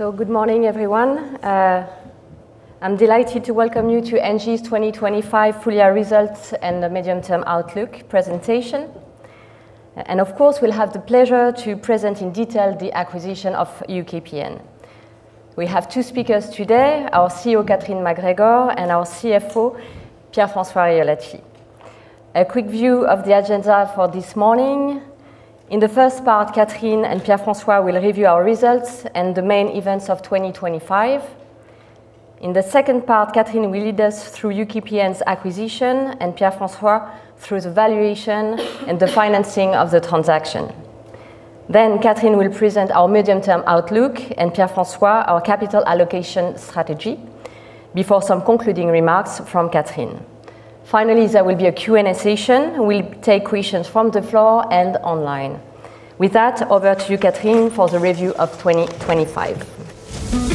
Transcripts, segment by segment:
Good morning, everyone. I'm delighted to welcome you to ENGIE's 2025 Full Year Results and The Medium-Term Outlook Presentation. Of course, we'll have the pleasure to present in detail the acquisition of UKPN. We have two speakers today, our CEO Catherine MacGregor, and our CFO Pierre-François Riolacci. A quick view of the agenda for this morning. In the first part, Catherine and Pierre-François will review our results and the main events of 2025. In the second part, Catherine will lead us through UKPN's acquisition, and Pierre-François through the valuation and the financing of the transaction. Catherine will present our medium-term outlook, and Pierre-François, our capital allocation strategy, before some concluding remarks from Catherine. Finally, there will be a Q&A session. We'll take questions from the floor and online. With that, over to you, Catherine, for the review of 2025. Thank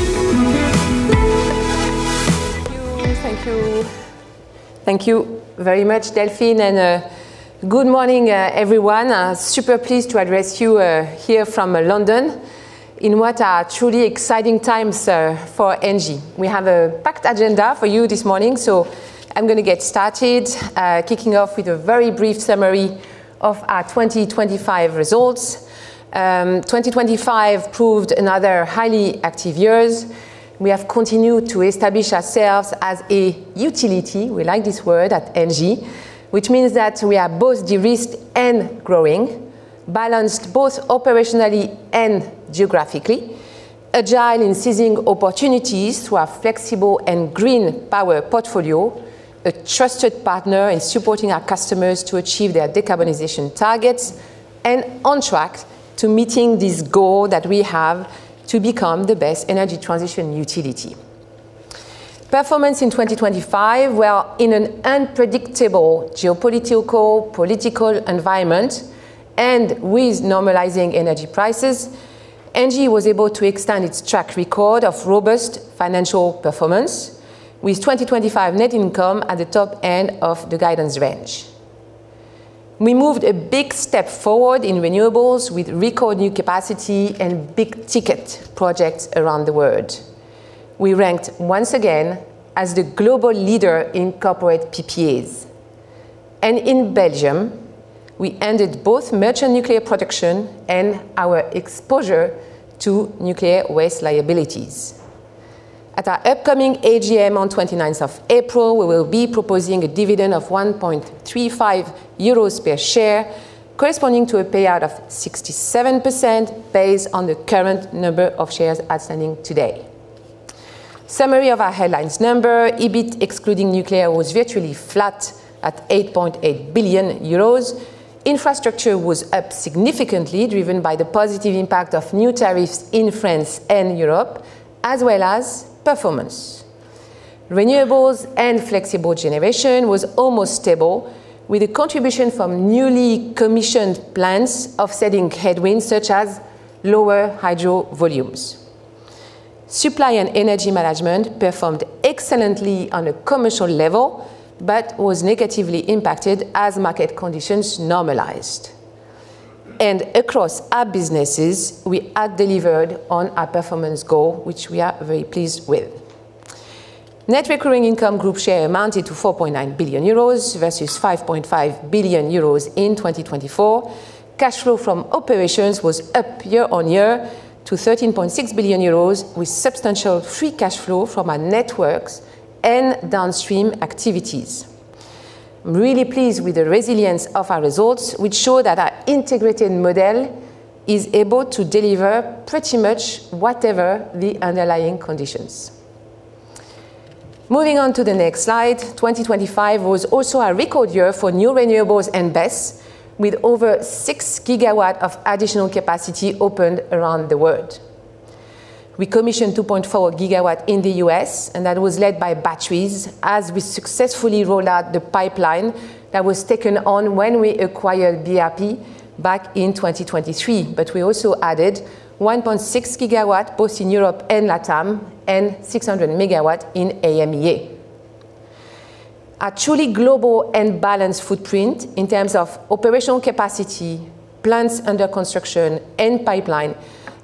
you. Thank you. Thank you very much, Delphine. Good morning, everyone. Super pleased to address you here from London in what are truly exciting times for ENGIE. We have a packed agenda for you this morning, so I'm gonna get started kicking off with a very brief summary of our 2025 results. 2025 proved another highly active years. We have continued to establish ourselves as a utility, we like this word at ENGIE, which means that we are both de-risked and growing, balanced both operationally and geographically, agile in seizing opportunities through our flexible and green power portfolio, a trusted partner in supporting our customers to achieve their decarbonization targets, and on track to meeting this goal that we have to become the best energy transition utility. Performance in 2025, well, in an unpredictable geopolitical, political environment and with normalizing energy prices, ENGIE was able to extend its track record of robust financial performance, with 2025 net income at the top end of the guidance range. We moved a big step forward in Renewables, with record new capacity and big-ticket projects around the world. We ranked once again as the global leader in corporate PPAs. In Belgium, we ended both merchant nuclear production and our exposure to nuclear waste liabilities. At our upcoming AGM on 29th of April, we will be proposing a dividend of 1.35 euros per share, corresponding to a payout of 67%, based on the current number of shares outstanding today. Summary of our headlines number, EBIT, excluding nuclear, was virtually flat at 8.8 billion euros. Infrastructure was up significantly, driven by the positive impact of new tariffs in France and Europe, as well as performance. Renewables and Flexible Generation was almost stable, with a contribution from newly commissioned plants, offsetting headwinds such as lower hydro volumes. Supply and Energy Management performed excellently on a commercial level, but was negatively impacted as market conditions normalized. Across our businesses, we have delivered on our performance goal, which we are very pleased with. Net Recurring Income group share amounted to 4.9 billion euros, versus 5.5 billion euros in 2024. Cash flow from operations was up year-over-year to 13.6 billion euros, with substantial free cash flow from our networks and downstream activities. I'm really pleased with the resilience of our results, which show that our integrated model is able to deliver pretty much whatever the underlying conditions. Moving on to the next slide, 2025 was also new Renewables and BESS, with over 6 GW of additional capacity opened around the world. We commissioned 2.4 GW in the U.S., and that was led by batteries, as we successfully rolled out the pipeline that was taken on when we acquired BRP back in 2023. We also added 1.6 GW, both in Europe and Latam, and 600 MW in AMEA. A truly global and balanced footprint in terms of operational capacity, plants under construction, and pipeline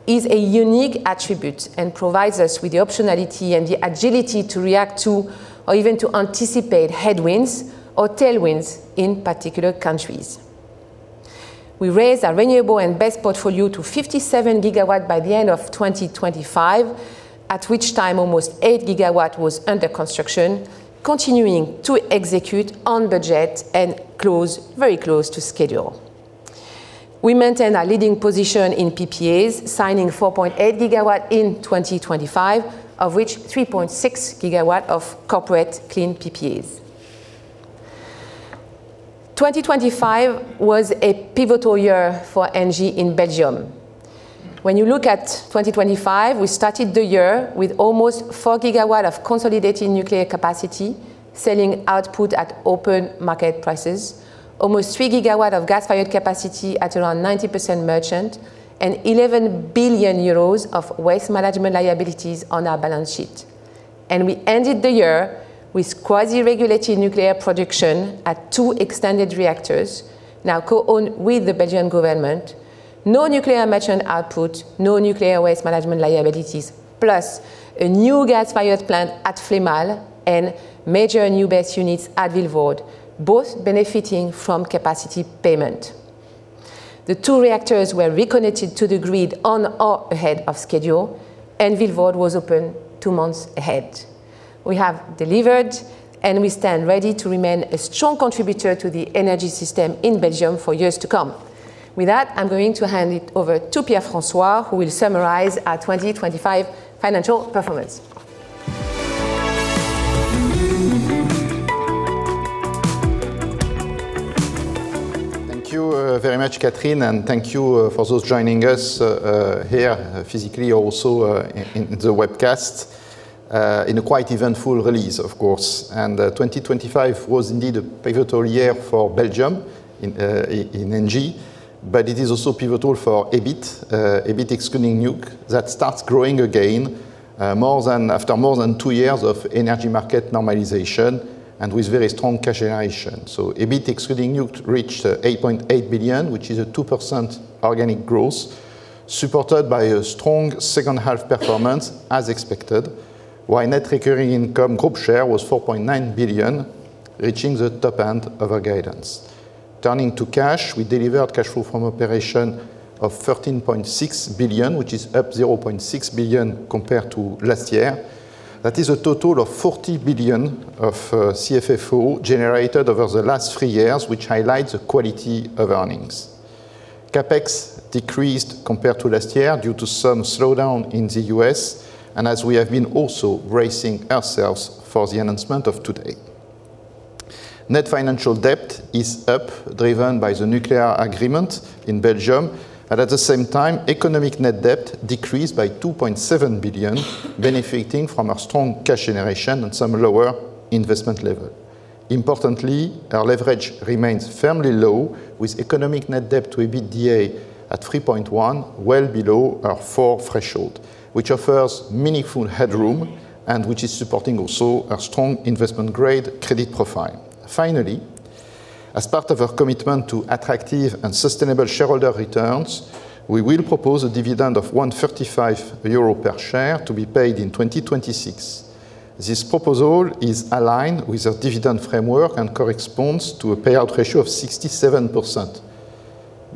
is a unique attribute and provides us with the optionality and the agility to react to, or even to anticipate headwinds or tailwinds in particular countries. We raised our Renewables and BESS portfolio to 57 GW by the end of 2025, at which time almost 8 GW was under construction, continuing to execute on budget and close, very close to schedule. We maintained our leading position in PPAs, signing 4.8 GW in 2025, of which 3.6 GW of corporate clean PPAs. 2025 was a pivotal year for ENGIE in Belgium. When you look at 2025, we started the year with almost 4 GW of consolidated nuclear capacity, selling output at open market prices, almost 3 GW of gas-fired capacity at around 90% merchant, and 11 billion euros of waste management liabilities on our balance sheet.... We ended the year with quasi-regulated nuclear production at 2 extended reactors, now co-owned with the Belgian government, no nuclear merchant output, no nuclear waste management liabilities, plus a new gas-fired plant at Flémalle and major new base units at Vilvoorde, both benefiting from capacity payment. The 2 reactors were reconnected to the grid on or ahead of schedule, and Vilvoorde was open 2 months ahead. We have delivered, and we stand ready to remain a strong contributor to the energy system in Belgium for years to come. With that, I'm going to hand it over to Pierre-François, who will summarize our 2025 financial performance. Thank you, very much, Catherine, and thank you, for those joining us, here physically, also, in the webcast. In a quite eventful release, of course, 2025 was indeed a pivotal year for Belgium in ENGIE, but it is also pivotal for EBIT excluding nuke, that starts growing again, after more than two years of energy market normalization and with very strong cash generation. EBIT excluding nuke reached 8.8 billion, which is a 2% organic growth, supported by a strong second half performance, as expected, while Net Recurring Income group share was 4.9 billion, reaching the top end of our guidance. Turning to cash, we delivered cash flow from operation of 13.6 billion, which is up 0.6 billion compared to last year. That is a total of 40 billion of CFFO generated over the last 3 years, which highlights the quality of earnings. CapEx decreased compared to last year due to some slowdown in the U.S., and as we have been also bracing ourselves for the announcement of today. Net Financial Debt is up, driven by the nuclear agreement in Belgium, and at the same time, economic Net Debt decreased by 2.7 billion, benefiting from a strong cash generation and some lower investment level. Importantly, our leverage remains firmly low, with economic Net Debt to EBITDA at 3.1x, well below our 4 threshold, which offers meaningful headroom and which is supporting also a strong investment-grade credit profile. Finally, as part of our commitment to attractive and sustainable shareholder returns, we will propose a dividend of 1.35 euro per share to be paid in 2026. This proposal is aligned with our dividend framework and corresponds to a payout ratio of 67%,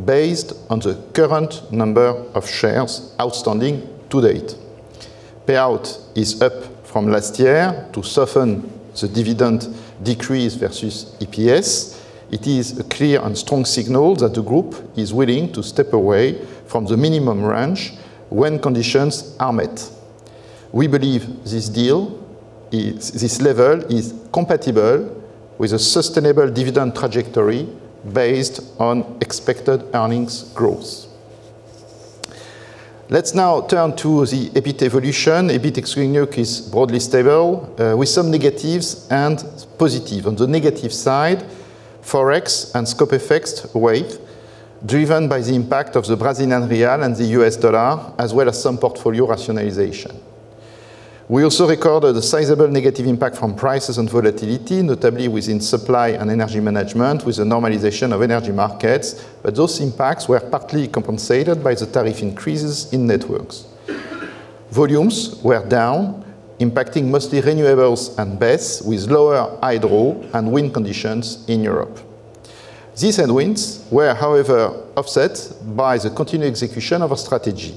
based on the current number of shares outstanding to date. Payout is up from last year to soften the dividend decrease versus EPS. It is a clear and strong signal that the group is willing to step away from the minimum range when conditions are met. We believe this level is compatible with a sustainable dividend trajectory based on expected earnings growth. Let's now turn to the EBIT evolution. EBIT excluding nuke is broadly stable, with some negatives and positive. On the negative side, Forex and scope effects weight, driven by the impact of the Brazilian real and the U.S. dollar, as well as some portfolio rationalization. We also recorded a sizable negative impact from prices and volatility, notably within supply and Energy Solutions, with the normalization of energy markets, but those impacts were partly compensated by the tariff increases in networks. Volumes Renewables and BESS, with lower hydro and wind conditions in Europe. These headwinds were, however, offset by the continued execution of our strategy.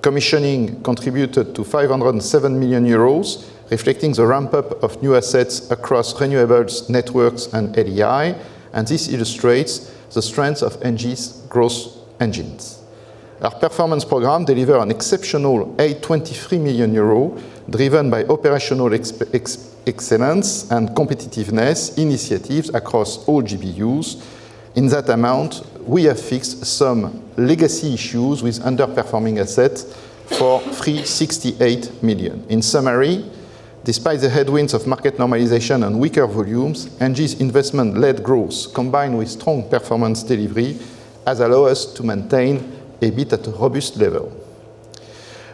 Commissioning contributed to 507 million euros, reflecting the ramp-up of new assets across Renewables, Networks, and LEI, and this illustrates the strength of ENGIE's growth engines. Our performance program delivered an exceptional 823 million euro, driven by operational excellence and competitiveness initiatives across all GBUs. In that amount, we have fixed some legacy issues with underperforming assets for 368 million. In summary, despite the headwinds of market normalization and weaker volumes, ENGIE's investment-led growth, combined with strong performance delivery, has allowed us to maintain EBIT at a robust level.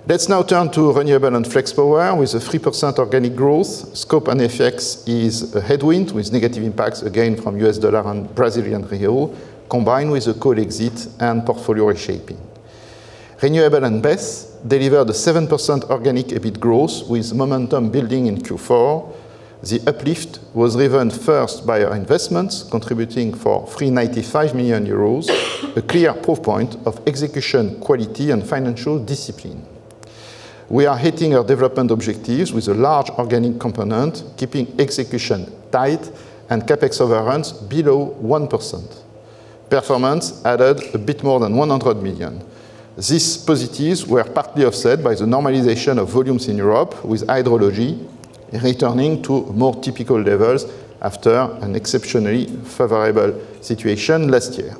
Let's now turn to renewable and flex power with a 3% organic growth. Scope and effects is a headwind, with negative impacts again from US dollar and Brazilian real, combined with a coal exit and portfolio reshaping. Renewables and BESS delivered a 7% organic EBIT growth, with momentum building in Q4. The uplift was driven first by our investments, contributing for 395 million euros, a clear proof point of execution, quality, and financial discipline. We are hitting our development objectives with a large organic component, keeping execution tight and CapEx overruns below 1%. Performance added a bit more than 100 million. These positives were partly offset by the normalization of volumes in Europe, with hydrology returning to more typical levels after an exceptionally favorable situation last year.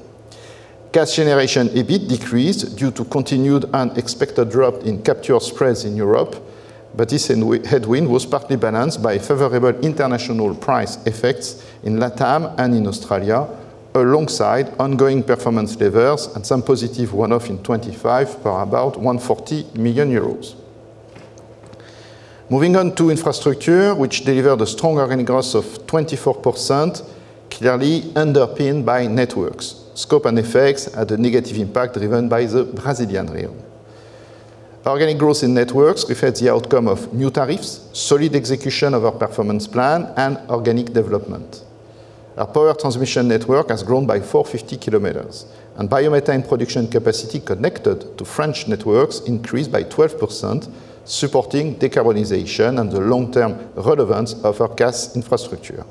Cash generation EBIT decreased due to continued unexpected drop in capture spreads in Europe, but this headwind was partly balanced by favorable international price effects in Latam and in Australia, alongside ongoing performance levers and some positive one-off in 25 for about 140 million euros. Moving on to Infrastructure, which delivered a strong organic growth of 24%, clearly underpinned by networks. Scope and effects had a negative impact, driven by the Brazilian real. Organic growth in networks reflects the outcome of new tariffs, solid execution of our performance plan, and organic development. Our power transmission network has grown by 450 km, and biomethane production capacity connected to French networks increased by 12%, supporting decarbonization and the long-term relevance of our gas infrastructure.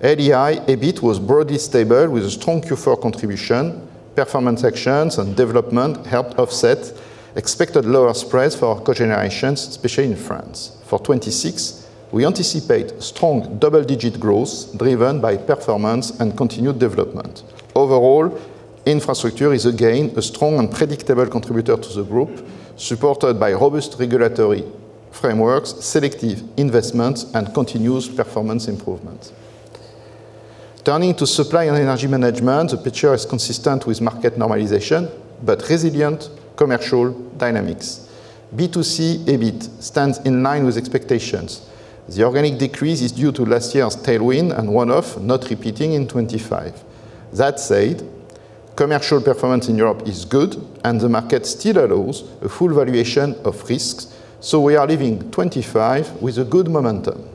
ADI EBIT was broadly stable, with a strong Q4 contribution. Performance actions and development helped offset expected lower spreads for our cogeneration, especially in France. For 2026, we anticipate strong double-digit growth, driven by performance and continued development. Overall, Infrastructure is again a strong and predictable contributor to the group, supported by robust regulatory frameworks, selective investments, and continuous performance improvements. Turning to Supply and Energy Management, the picture is consistent with market normalization, but resilient commercial dynamics. B2C EBIT stands in line with expectations. The organic decrease is due to last year's tailwind and one-off, not repeating in 2025. That said, commercial performance in Europe is good, and the market still allows a full valuation of risks, so we are leaving 2025 with a good momentum.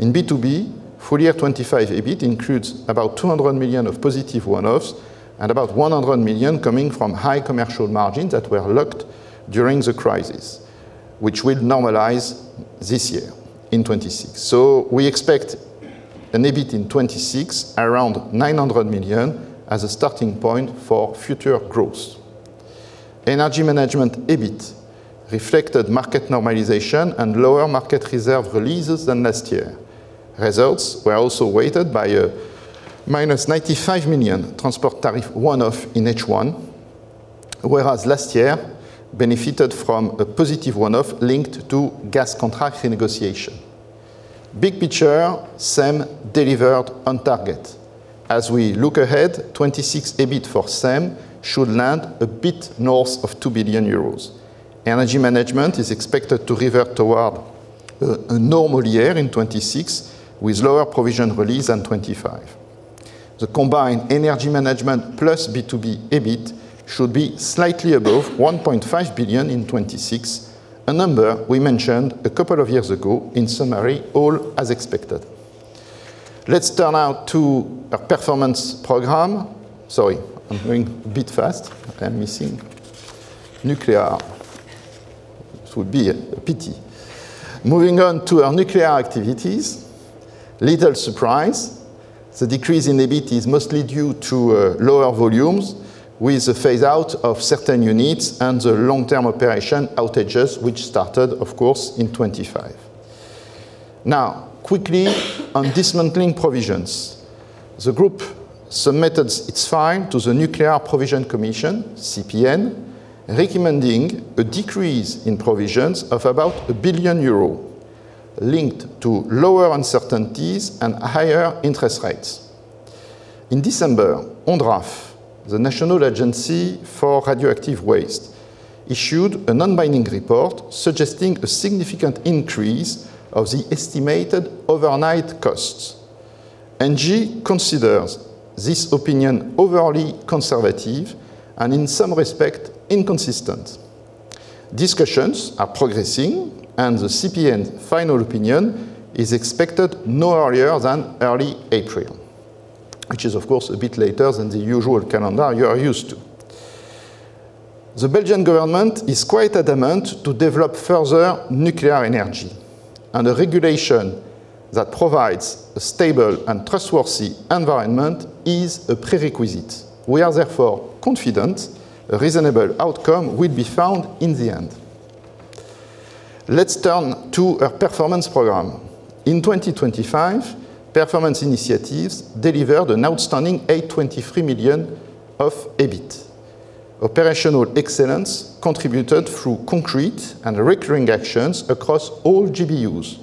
In B2B, full year 2025 EBIT includes about 200 million of positive one-offs and about 100 million coming from high commercial margins that were locked during the crisis, which will normalize this year in 2026. We expect an EBIT in 2026, around 900 million, as a starting point for future growth. Energy management EBIT reflected market normalization and lower market reserve releases than last year. Results were also weighted by a -95 million transport tariff one-off in H1, whereas last year benefited from a positive one-off linked to gas contract renegotiation. Big picture, SEM delivered on target. As we look ahead, 2026 EBIT for SEM should land a bit north of 2 billion euros. Energy management is expected to revert toward a normal year in 2026, with lower provision release than 2025. The combined energy management plus B2B EBIT should be slightly above 1.5 billion in 2026, a number we mentioned a couple of years ago. In summary, all as expected. Let's turn now to our performance program. Sorry, I'm going a bit fast. I'm missing nuclear, which would be a pity. Moving on to our nuclear activities, little surprise, the decrease in EBIT is mostly due to lower volumes with the phaseout of certain units and the long-term operation outages, which started, of course, in 2025. Quickly on dismantling provisions. The group submitted its find to the Nuclear Provision Commission, CPN, recommending a decrease in provisions of about 1 billion euro, linked to lower uncertainties and higher interest rates. In December, ANDRA, the National Agency for Radioactive Waste, issued a non-binding report suggesting a significant increase of the estimated overnight costs. ENGIE considers this opinion overly conservative and in some respect, inconsistent. Discussions are progressing, the CPN final opinion is expected no earlier than early April, which is, of course, a bit later than the usual calendar you are used to. The Belgian government is quite adamant to develop further nuclear energy, a regulation that provides a stable and trustworthy environment is a prerequisite. We are therefore confident a reasonable outcome will be found in the end. Let's turn to our performance program. In 2025, performance initiatives delivered an outstanding 823 million of EBIT. Operational excellence contributed through concrete and recurring actions across all GBUs.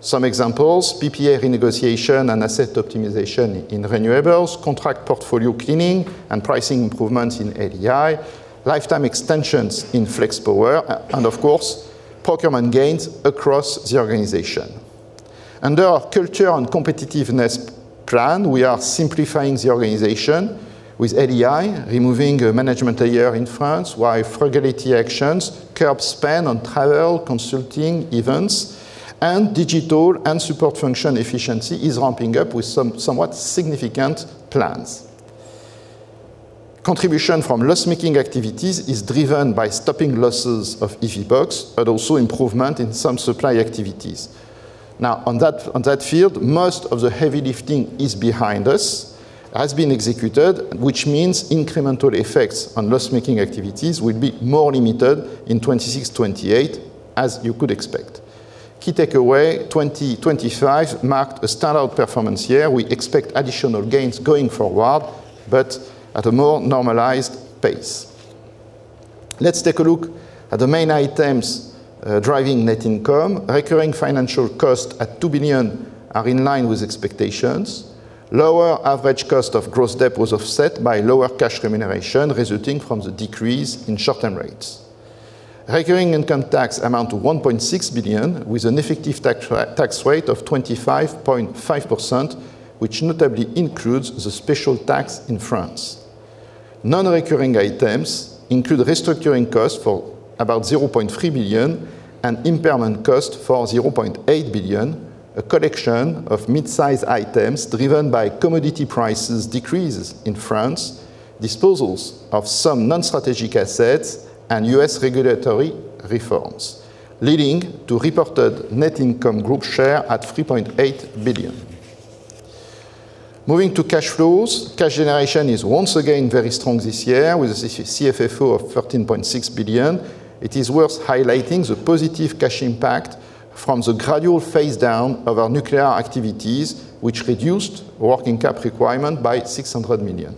Some examples, PPA renegotiation and asset optimization in Renewables, contract portfolio cleaning and pricing improvements in ADI, lifetime extensions in flex power, and of course, procurement gains across the organization. Under our culture and competitiveness plan, we are simplifying the organization with ADI, removing a management layer in France, while frugality actions curb spend on travel, consulting, events, and digital and support function efficiency is ramping up with some somewhat significant plans. Contribution from loss-making activities is driven by stopping losses of EVBox, but also improvement in some supply activities. On that field, most of the heavy lifting is behind us, has been executed, which means incremental effects on loss-making activities will be more limited in 2026, 2028, as you could expect. Key takeaway, 2025 marked a standout performance year. We expect additional gains going forward, but at a more normalized pace. Let's take a look at the main items driving net income. Recurring financial costs at 2 billion are in line with expectations. Lower average cost of gross debt was offset by lower cash remuneration, resulting from the decrease in short-term rates. Recurring income tax amount to 1.6 billion, with an effective tax rate of 25.5%, which notably includes the special tax in France. Non-recurring items include restructuring costs for about 0.3 billion and impairment cost for 0.8 billion, a collection of mid-size items driven by commodity prices decreases in France, disposals of some non-strategic assets, and U.S. regulatory reforms, leading to reported net income group share at 3.8 billion. Moving to cash flows, cash generation is once again very strong this year, with CFFO of 13.6 billion. It is worth highlighting the positive cash impact from the gradual phase down of our nuclear activities, which reduced working capital requirement by 600 million.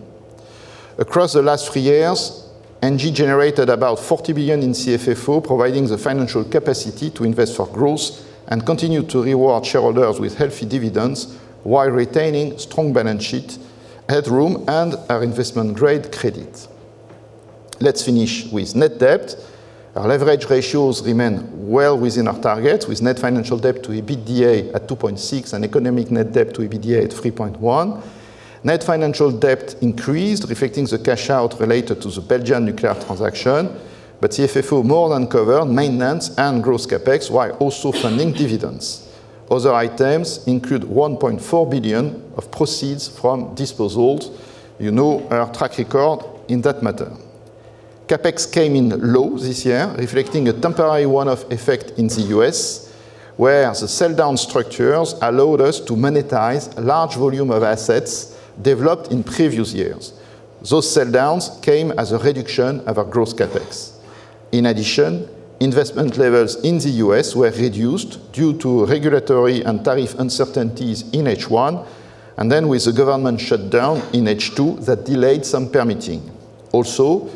Across the last three years, ENGIE generated about 40 billion in CFFO, providing the financial capacity to invest for growth and continue to reward shareholders with healthy dividends while retaining strong balance sheet, headroom, and our investment-grade credit. Let's finish with Net Debt. Our leverage ratios remain well within our target, with Net Financial Debt to EBITDA at 2.6x and economic Net Debt to EBITDA at 3.1x. Net Financial Debt increased, reflecting the cash out related to the Belgian nuclear transaction, but CFFO more than covered maintenance and gross CapEx, while also funding dividends. Other items include 1.4 billion of proceeds from disposals. You know our track record in that matter. CapEx came in low this year, reflecting a temporary one-off effect in the U.S., where the sell-down structures allowed us to monetize a large volume of assets developed in previous years. Those sell-downs came as a reduction of our gross CapEx. In addition, investment levels in the U.S. were reduced due to regulatory and tariff uncertainties in H1, and then with the government shutdown in H2, that delayed some permitting. Also,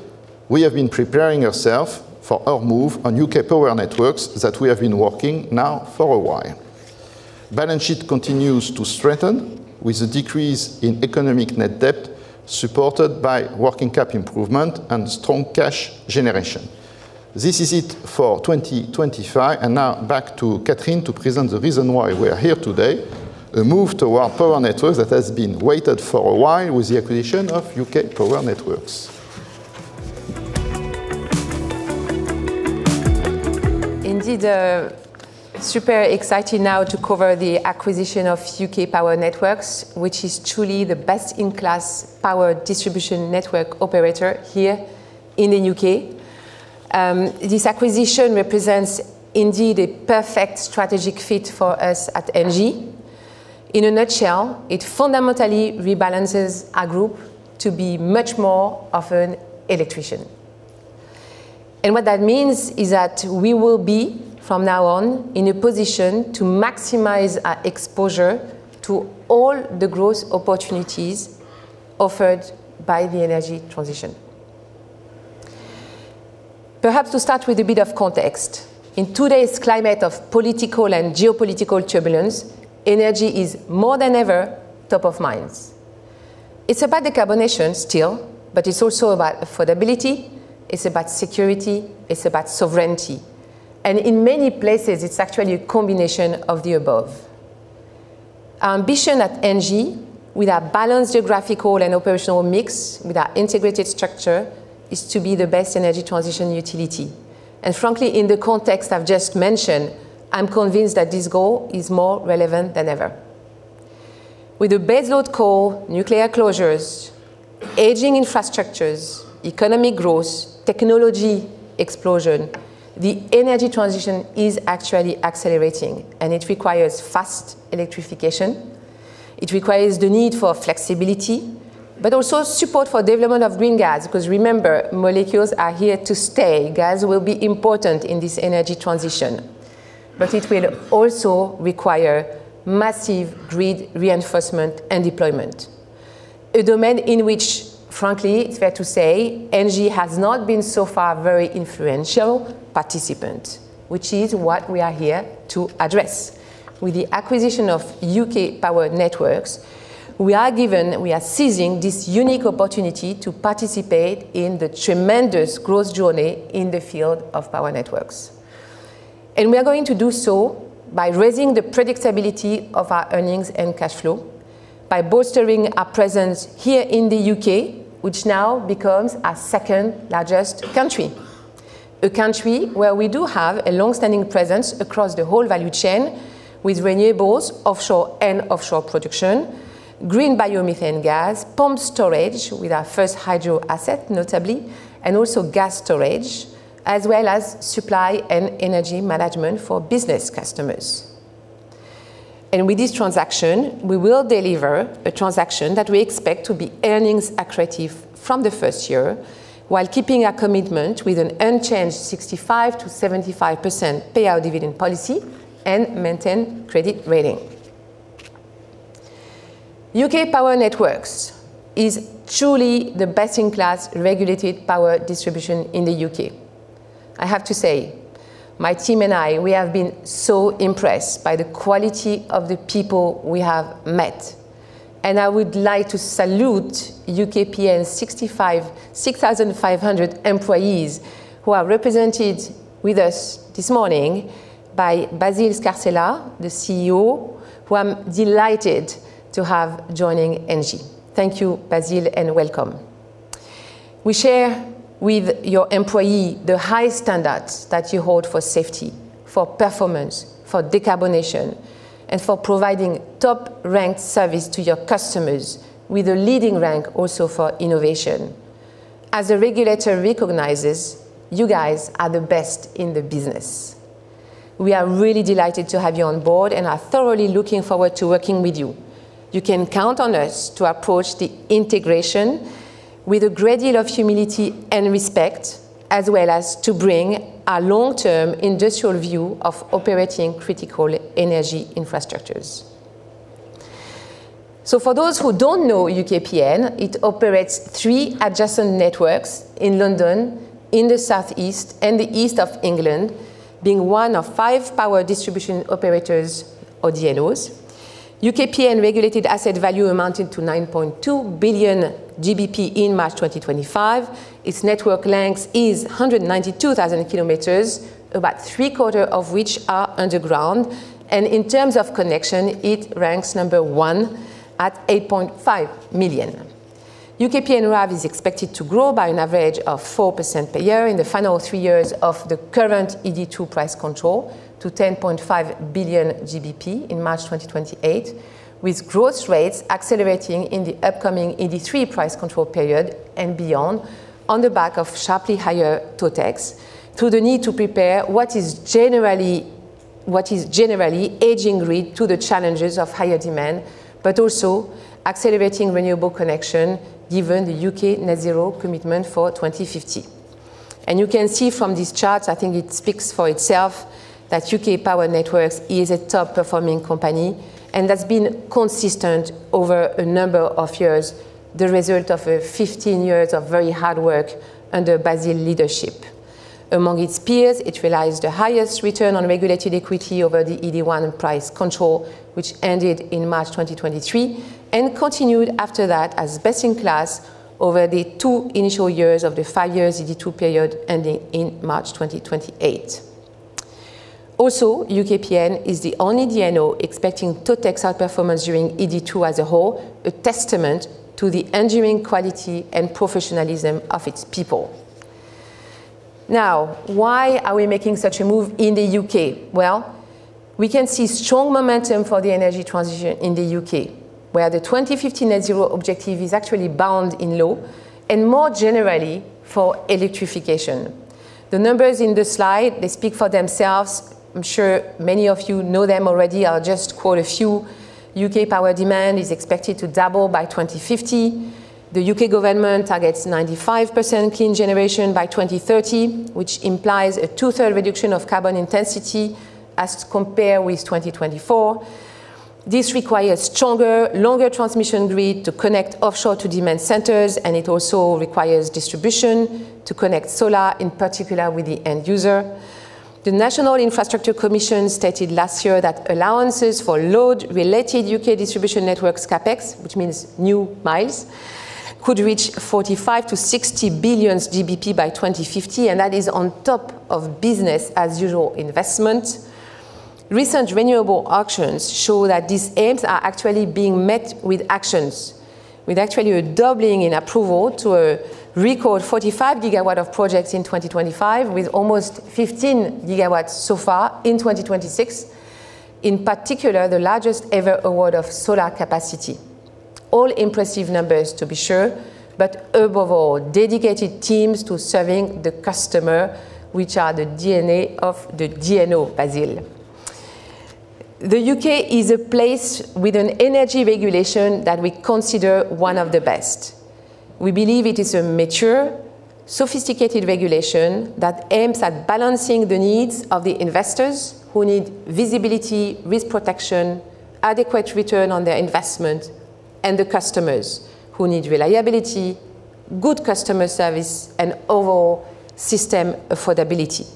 we have been preparing ourselves for our move on UK Power Networks that we have been working now for a while. Balance sheet continues to strengthen, with a decrease in economic Net Debt, supported by working cap improvement and strong cash generation. This is it for 2025, and now back to Catherine to present the reason why we are here today, a move toward Power Networks that has been awaited for a while with the acquisition of UK Power Networks. Indeed, super exciting now to cover the acquisition of UK Power Networks, which is truly the best-in-class power distribution network operator here in the U.K. This acquisition represents indeed a perfect strategic fit for us at ENGIE. In a nutshell, it fundamentally rebalances our group to be much more of an electrician. What that means is that we will be, from now on, in a position to maximize our exposure to all the growth opportunities offered by the energy transition. Perhaps to start with a bit of context, in today's climate of political and geopolitical turbulence, energy is more than ever, top of mind. It's about decarbonization still, but it's also about affordability, it's about security, it's about sovereignty, and in many places, it's actually a combination of the above. Our ambition at ENGIE, with our balanced geographical and operational mix, with our integrated structure, is to be the best energy transition utility. Frankly, in the context I've just mentioned, I'm convinced that this goal is more relevant than ever. With the baseload coal, nuclear closures, aging infrastructures, economic growth, technology explosion, the energy transition is actually accelerating, and it requires fast electrification. It requires the need for flexibility, but also support for development of green gas, because remember, molecules are here to stay. Gas will be important in this energy transition. It will also require massive grid reinforcement and deployment, a domain in which, frankly, it's fair to say, ENGIE has not been so far a very influential participant, which is what we are here to address. With the acquisition of UK Power Networks, we are seizing this unique opportunity to participate in the tremendous growth journey in the field of power networks. We are going to do so by raising the predictability of our earnings and cash flow, by bolstering our presence here in the U.K., which now becomes our second largest country. A country where we do have a long-standing presence across the whole value chain with renewables, offshore and offshore production, green biomethane gas, pump storage, with our first hydro asset, notably, and also gas storage, as well as Supply and Energy Management for business customers. With this transaction, we will deliver a transaction that we expect to be earnings accretive from the first year, while keeping our commitment with an unchanged 65%-75% payout dividend policy and maintain credit rating. UK Power Networks is truly the best-in-class regulated power distribution in the UK. I have to say, my team and I, we have been so impressed by the quality of the people we have met, and I would like to salute UKPN's 6,500 employees who are represented with us this morning by Basil Scarsella, the CEO, who I'm delighted to have joining ENGIE. Thank you, Basil, and welcome. We share with your employee the high standards that you hold for safety, for performance, for decarbonization, and for providing top-ranked service to your customers, with a leading rank also for innovation. As the regulator recognizes, you guys are the best in the business. We are really delighted to have you on board and are thoroughly looking forward to working with you. You can count on us to approach the integration with a great deal of humility and respect, as well as to bring a long-term industrial view of operating critical energy infrastructures. For those who don't know UKPN, it operates three adjacent networks in London, in the Southeast and the East of England, being one of five power distribution operators, or DNOs. UKPN regulated asset value amounted to 9.2 billion GBP in March 2025. Its network lengths is 192,000 km, about 3/4 of which are underground, and in terms of connection, it ranks number one at 8.5 million. UKPN RAB is expected to grow by an average of 4% per year in the final 3 years of the current ED2 price control to 10.5 billion GBP in March 2028, with growth rates accelerating in the upcoming ED3 price control period and beyond, on the back of sharply higher TOTEX, through the need to prepare what is generally aging grid to the challenges of higher demand, but also accelerating renewable connection, given the UK Net Zero commitment for 2050. You can see from this chart, I think it speaks for itself, that UK Power Networks is a top-performing company and has been consistent over a number of years, the result of 15 years of very hard work under Basil leadership. Among its peers, it realized the highest return on regulated equity over the ED1 price control, which ended in March 2023, and continued after that as best-in-class over the 2 initial years of the 5 years ED2 period, ending in March 2028. UKPN is the only DNO expecting TOTEX outperformance during ED2 as a whole, a testament to the engineering quality and professionalism of its people. Why are we making such a move in the U.K.? We can see strong momentum for the energy transition in the U.K., where the 2050 Net Zero objective is actually bound in law and, more generally, for electrification. The numbers in the slide, they speak for themselves. I'm sure many of you know them already. I'll just quote a few. U.K. power demand is expected to double by 2050. The U.K. government targets 95% clean generation by 2030, which implies a 2/3 reduction of carbon intensity as compare with 2024. This requires stronger, longer transmission grid to connect offshore to demand centers, and it also requires distribution to connect solar, in particular, with the end user. The National Infrastructure Commission stated last year that allowances for load-related U.K. distribution networks CapEx, which means new miles, could reach 45 billion-60 billion GBP by 2050, and that is on top of business-as-usual investment. Recent renewable auctions show that these aims are actually being met with actions, with actually a doubling in approval to a record 45 GW of projects in 2025, with almost 15 GW so far in 2026. In particular, the largest-ever award of solar capacity. All impressive numbers, to be sure, above all, dedicated teams to serving the customer, which are the DNA of the DNO, Basil. The U.K. is a place with an energy regulation that we consider one of the best. We believe it is a mature, sophisticated regulation that aims at balancing the needs of the investors, who need visibility, risk protection, adequate return on their investment, and the customers, who need reliability, good customer service, and overall system affordability.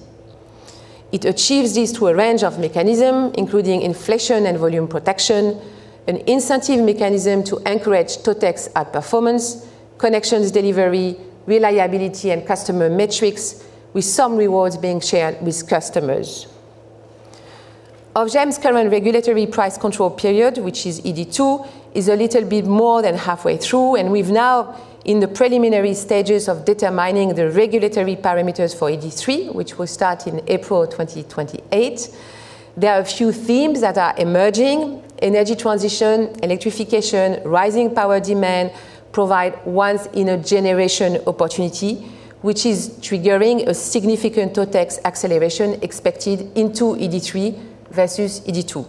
It achieves this through a range of mechanism, including inflation and volume protection, an incentive mechanism to encourage TOTEX outperformance, connections delivery, reliability and customer metrics, with some rewards being shared with customers. Ofgem's current regulatory price control period, which is ED2, is a little bit more than halfway through. We've now in the preliminary stages of determining the regulatory parameters for ED3, which will start in April 2028. There are a few themes that are emerging: energy transition, electrification, rising power demand provide once-in-a-generation opportunity, which is triggering a significant TOTEX acceleration expected into ED3 versus ED2.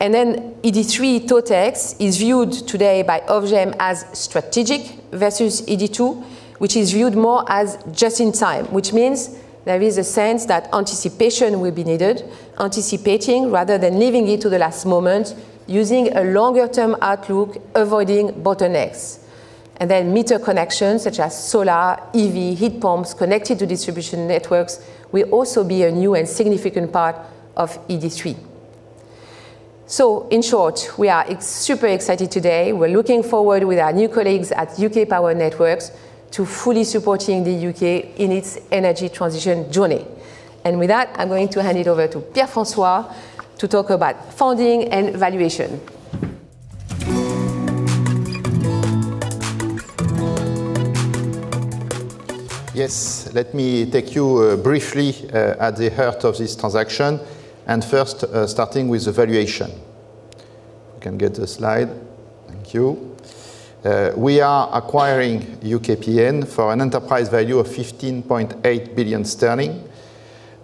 ED3 TOTEX is viewed today by Ofgem as strategic versus ED2, which is viewed more as just in time. Which means there is a sense that anticipation will be needed, anticipating rather than leaving it to the last moment, using a longer-term outlook, avoiding bottlenecks. Meter connections, such as solar, EV, heat pumps, connected to distribution networks, will also be a new and significant part of ED3. So in short, we are super excited today. We're looking forward with our new colleagues at UK Power Networks to fully supporting the U.K. in its energy transition journey. With that, I'm going to hand it over to Pierre-François to talk about funding and valuation. Yes, let me take you briefly at the heart of this transaction, starting with the valuation. We can get the slide. Thank you. We are acquiring UKPN for an enterprise value of 15.8 billion sterling,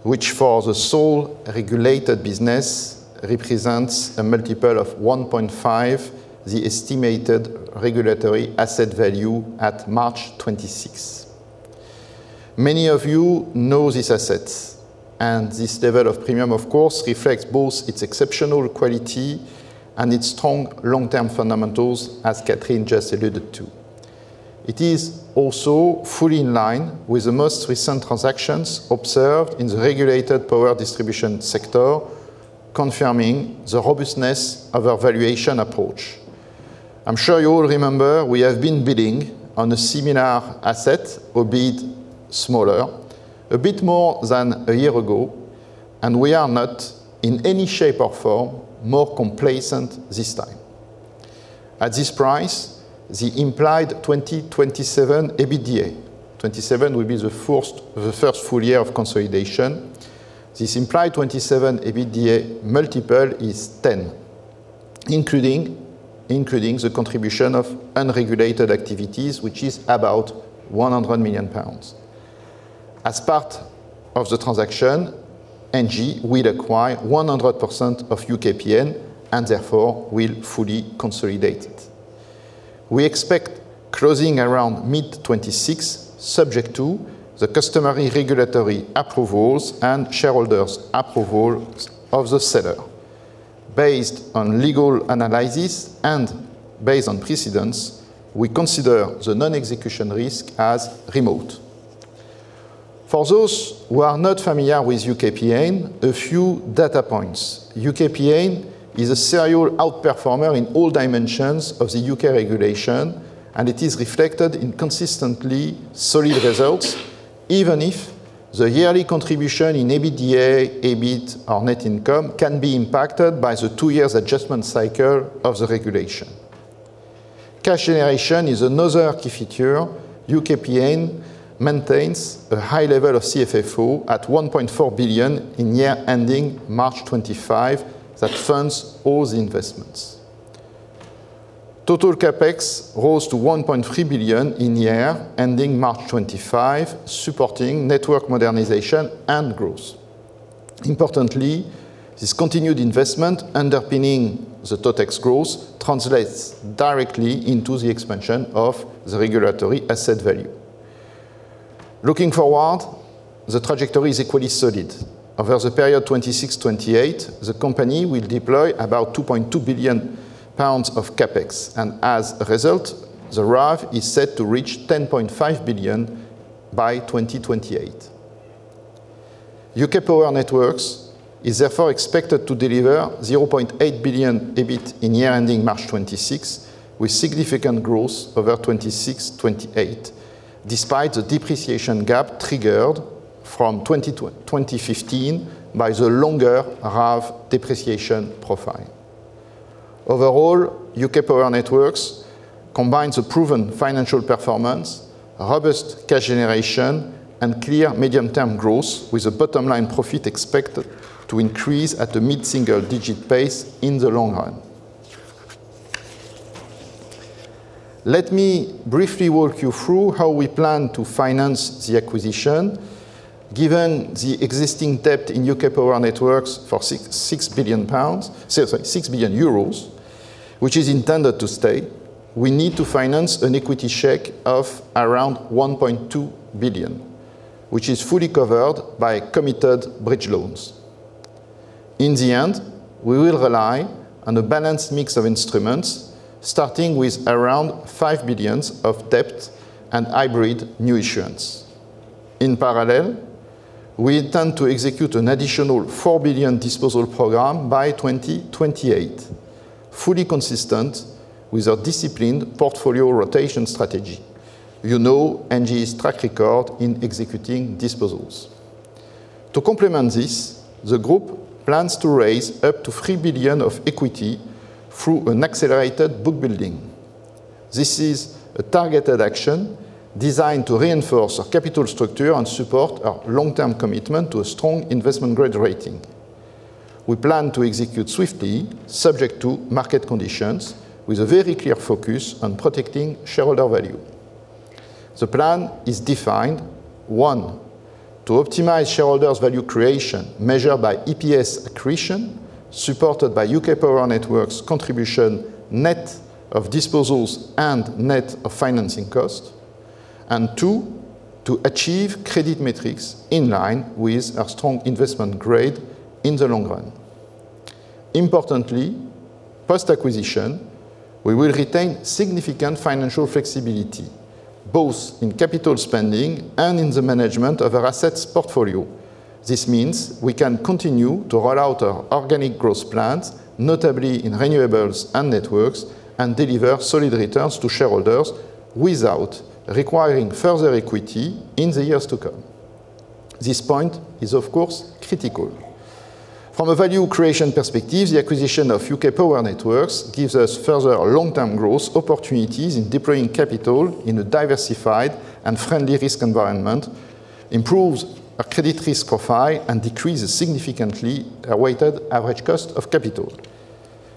which for the sole regulated business, represents a multiple of 1.5, the estimated regulatory asset value at March 2026. Many of you know these assets. This level of premium, of course, reflects both its exceptional quality and its strong long-term fundamentals, as Catherine just alluded to. It is also fully in line with the most recent transactions observed in the regulated power distribution sector, confirming the robustness of our valuation approach. I'm sure you all remember, we have been bidding on a similar asset, albeit smaller, a bit more than a year ago, we are not, in any shape or form, more complacent this time. At this price, the implied 2027 EBITDA, 2027 will be the first full year of consolidation. This implied 2027 EBITDA multiple is 10, including the contribution of unregulated activities, which is about 100 million pounds. As part of the transaction, ENGIE will acquire 100% of UKPN and therefore will fully consolidate it. We expect closing around mid-2026, subject to the customary regulatory approvals and shareholders' approval of the seller. Based on legal analysis and based on precedence, we consider the non-execution risk as remote. For those who are not familiar with UKPN, a few data points. UKPN is a serial outperformer in all dimensions of the U.K. regulation, and it is reflected in consistently solid results, even if the yearly contribution in EBITDA, EBIT or net income can be impacted by the two years adjustment cycle of the regulation. Cash generation is another key feature. UKPN maintains a high level of CFFO at 1.4 billion in year ending March 2025, that funds all the investments. Total CapEx rose to 1.3 billion in year ending March 2025, supporting network modernization and growth. Importantly, this continued investment underpinning the TOTEX growth translates directly into the expansion of the regulatory asset value. Looking forward, the trajectory is equally solid. Over the period 2026-2028, the company will deploy about 2.2 billion pounds of CapEx, and as a result, the RAB is set to reach 10.5 billion by 2028. UK Power Networks is therefore expected to deliver 0.8 billion EBIT in year ending March 2026, with significant growth over 2026-2028, despite the depreciation gap triggered from 2020-2015 by the longer RAB depreciation profile. Overall, UK Power Networks combines a proven financial performance, a robust cash generation, and clear medium-term growth, with a bottom-line profit expected to increase at a mid-single digit pace in the long run. Let me briefly walk you through how we plan to finance the acquisition. Given the existing debt in UK Power Networks for 6.6 billion pounds, sorry, 6 billion euros, which is intended to stay, we need to finance an equity stake of around 1.2 billion, which is fully covered by committed bridge loans. In the end, we will rely on a balanced mix of instruments, starting with around 5 billion of debt and hybrid new issuance. In parallel, we intend to execute an additional 4 billion disposal program by 2028, fully consistent with our disciplined portfolio rotation strategy. You know ENGIE's track record in executing disposals. To complement this, the group plans to raise up to 3 billion of equity through an accelerated book building. This is a targeted action designed to reinforce our capital structure and support our long-term commitment to a strong investment-grade rating. We plan to execute swiftly, subject to market conditions, with a very clear focus on protecting shareholder value. The plan is defined, one, to optimize shareholders' value creation, measured by EPS accretion, supported by UK Power Networks' contribution, net of disposals and net of financing cost. 2, to achieve credit metrics in line with our strong investment grade in the long run. Importantly, post-acquisition, we will retain significant financial flexibility, both in capital spending and in the management of our assets portfolio. This means we can continue to roll out our organic growth plans, notably in Renewables and networks, and deliver solid returns to shareholders without requiring further equity in the years to come. This point is, of course, critical. From a value creation perspective, the acquisition of UK Power Networks gives us further long-term growth opportunities in deploying capital in a diversified and friendly risk environment, improves our credit risk profile, and decreases significantly our weighted average cost of capital.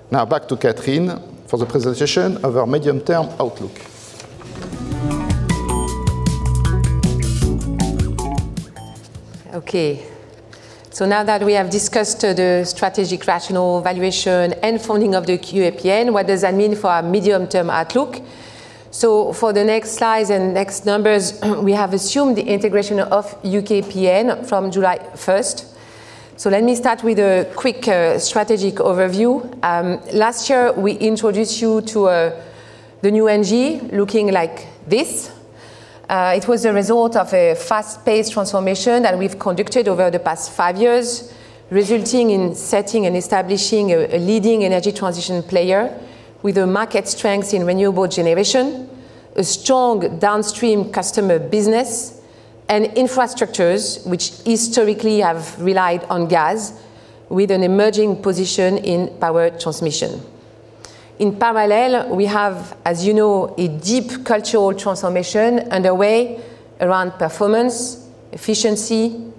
Now, back to Catherine for the presentation of our medium-term outlook. Now that we have discussed the strategic rationale, valuation, and funding of the UKPN, what does that mean for our medium-term outlook? For the next slides and next numbers, we have assumed the integration of UKPN from July 1st. Let me start with a quick strategic overview. Last year, we introduced you to the new ENGIE, looking like this. It was a result of a fast-paced transformation that we've conducted over the past five years, resulting in setting and establishing a leading energy transition player with a market strength in renewable generation, a strong downstream customer business, and infrastructures which historically have relied on gas, with an emerging position in power transmission. In parallel, we have, as you know, a deep cultural transformation underway around performance, efficiency,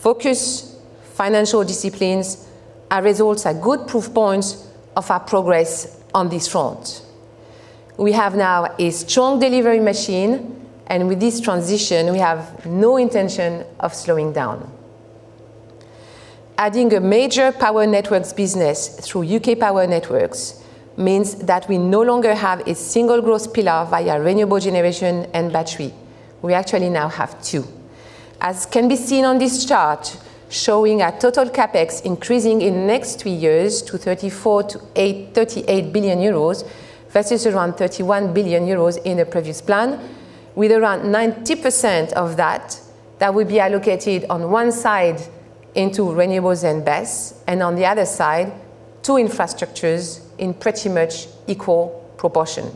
focus, financial disciplines. Our results are good proof points of our progress on this front. We have now a strong delivery machine, and with this transition, we have no intention of slowing down. Adding a major power networks business through UK Power Networks means that we no longer have a single growth pillar via renewable generation and battery. We actually now have two. As can be seen on this chart, showing our total CapEx increasing in the next three years to 38 billion euros, versus around 31 billion euros in the previous plan, with around 90% of that will be allocated on one side intoRenewables and BESS, and on the other side, two Infrastructures in pretty much equal proportion.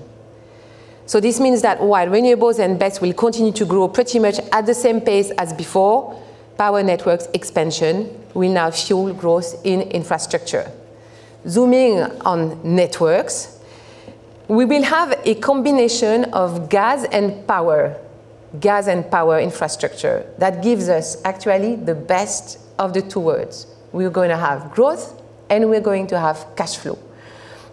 Renewables and BESS will continue to grow pretty much at the same pace as before, power networks expansion will now fuel growth in Infrastructure. Zooming on networks, we will have a combination of gas and power, gas and power infrastructure. That gives us actually the best of the two worlds. We are going to have growth, and we are going to have cash flow.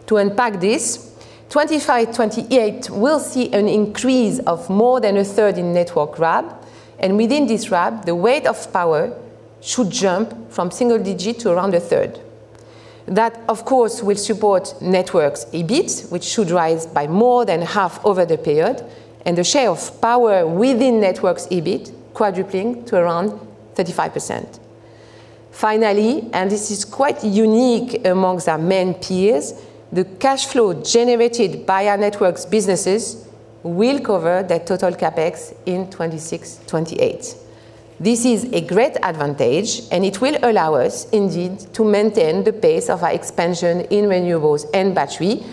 To unpack this, 2025-2028 will see an increase of more than a 1/3 in network RAB, and within this RAB, the weight of power should jump from single digit to around a 1/3. That, of course, will support networks' EBIT, which should rise by more than half over the period, and the share of power within networks' EBIT quadrupling to around 35%. Finally, and this is quite unique among our main peers, the cash flow generated by our networks businesses will cover the total CapEx in 2026-2028. This is a great advantage, and it will allow us indeed to maintain the pace of our expansion in Renewables and Battery.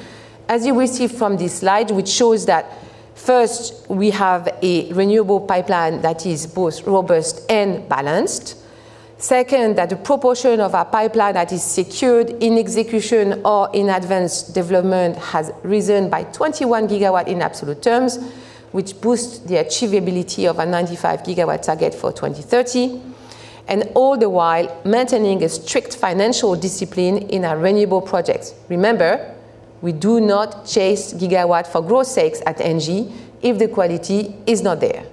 As you will see from this slide, which shows that first, we have a renewable pipeline that is both robust and balanced. Second, that the proportion of our pipeline that is secured in execution or in advanced development has risen by 21 GW in absolute terms, which boosts the achievability of our 95 GW target for 2030, and all the while maintaining a strict financial discipline in our renewable projects. Remember, we do not chase GW for growth sakes at ENGIE if the quality is not there.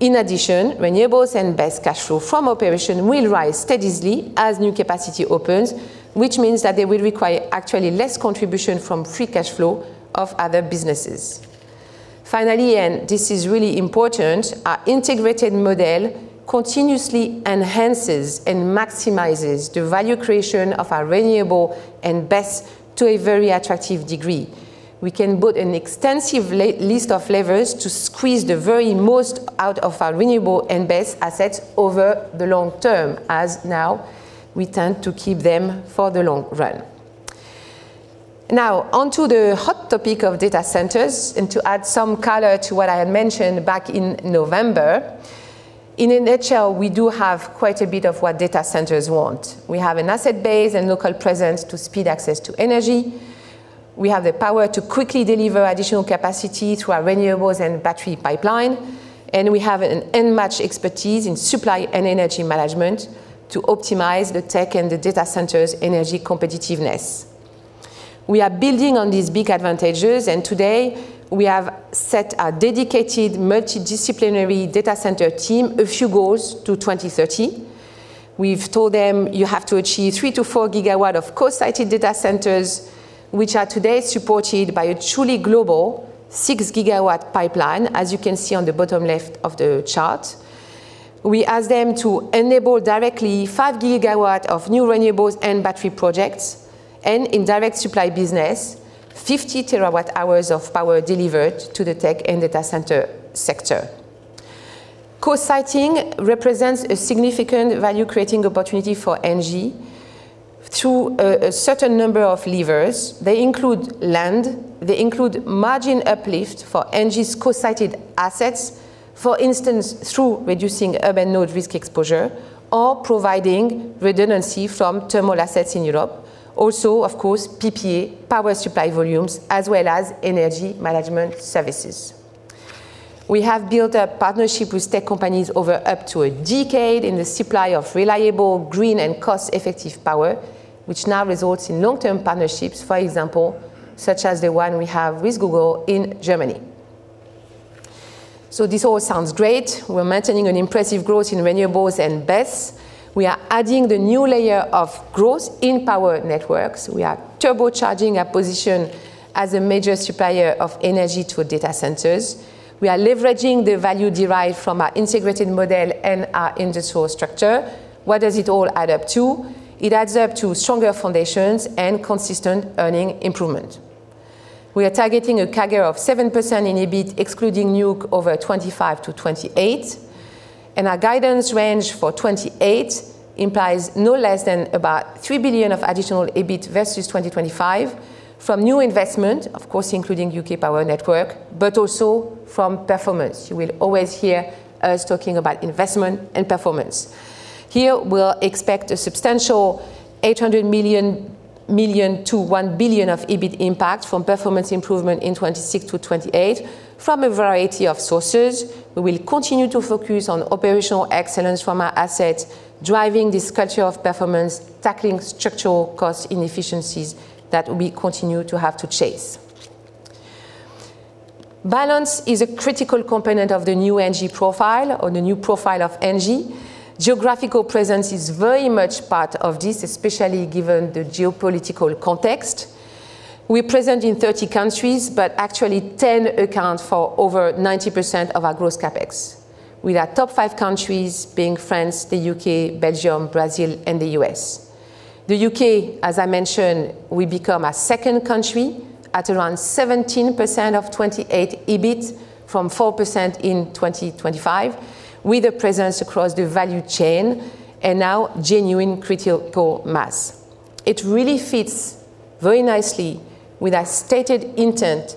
Renewables and BESS cash flow from operation will rise steadily as new capacity opens, which means that they will require actually less contribution from free cash flow of other businesses. And this is really important, our integrated model continuously enhances and maximizes the value creation of our Renewables and BESS to a very attractive degree. We can build an extensive list of levers to squeeze the very most out of our Renewables and BESS assets over the long term, as now we tend to keep them for the long run. On to the hot topic of data centers, and to add some color to what I had mentioned back in November. In a nutshell, we do have quite a bit of what data centers want. We have an asset base and local presence to speed access to energy, we have the power to quickly deliver additional capacity through our Renewables and Battery pipeline, we have an unmatched expertise in Supply and Energy Management to optimize the tech and the data centers' energy competitiveness. We are building on these big advantages. Today we have set a dedicated, multidisciplinary data center team a few goals to 2030. We've told them, "You have to achieve 3-4 GW of co-sited data centers," which are today supported by a truly global 6 GW pipeline, as you can see on the bottom left of the chart. We ask them to enable directly 5 GW of New Renewables and battery projects, in direct supply business, 50 TWh of power delivered to the tech and data center sector. Co-siting represents a significant value-creating opportunity for ENGIE through a certain number of levers. They include land, they include margin uplift for ENGIE's co-sited assets, for instance, through reducing urban node risk exposure or providing redundancy from thermal assets in Europe. Also, of course, PPA, power supply volumes, as well as energy management services. We have built a partnership with tech companies over up to a decade in the supply of reliable, green, and cost-effective power, which now results in long-term partnerships, for example, such as the one we have with Google in Germany. This all sounds great. We're maintaining Renewables and BESS. we are adding the new layer of growth in power networks. We are turbocharging our position as a major supplier of energy to data centers. We are leveraging the value derived from our integrated model and our industrial structure. What does it all add up to? It adds up to stronger foundations and consistent earning improvement. We are targeting a CAGR of 7% in EBIT, excluding nuke, over 2025-2028. Our guidance range for 2028 implies no less than about 3 billion of additional EBIT versus 2025 from new investment, of course, including UK Power Networks, but also from performance. You will always hear us talking about investment and performance. Here, we'll expect a substantial 800 million-1 billion of EBIT impact from performance improvement in 2026-2028 from a variety of sources. We will continue to focus on operational excellence from our assets, driving this culture of performance, tackling structural cost inefficiencies that we continue to have to chase. Balance is a critical component of the new ENGIE profile or the new profile of ENGIE. Geographical presence is very much part of this, especially given the geopolitical context. We're present in 30 countries, actually 10 account for over 90% of our gross CapEx, with our top five countries being France, the U.K., Belgium, Brazil, and the U.S. The U.K., as I mentioned, will become our second country at around 17% of 2028 EBIT from 4% in 2025, with a presence across the value chain and now genuine critical mass. It really fits very nicely with our stated intent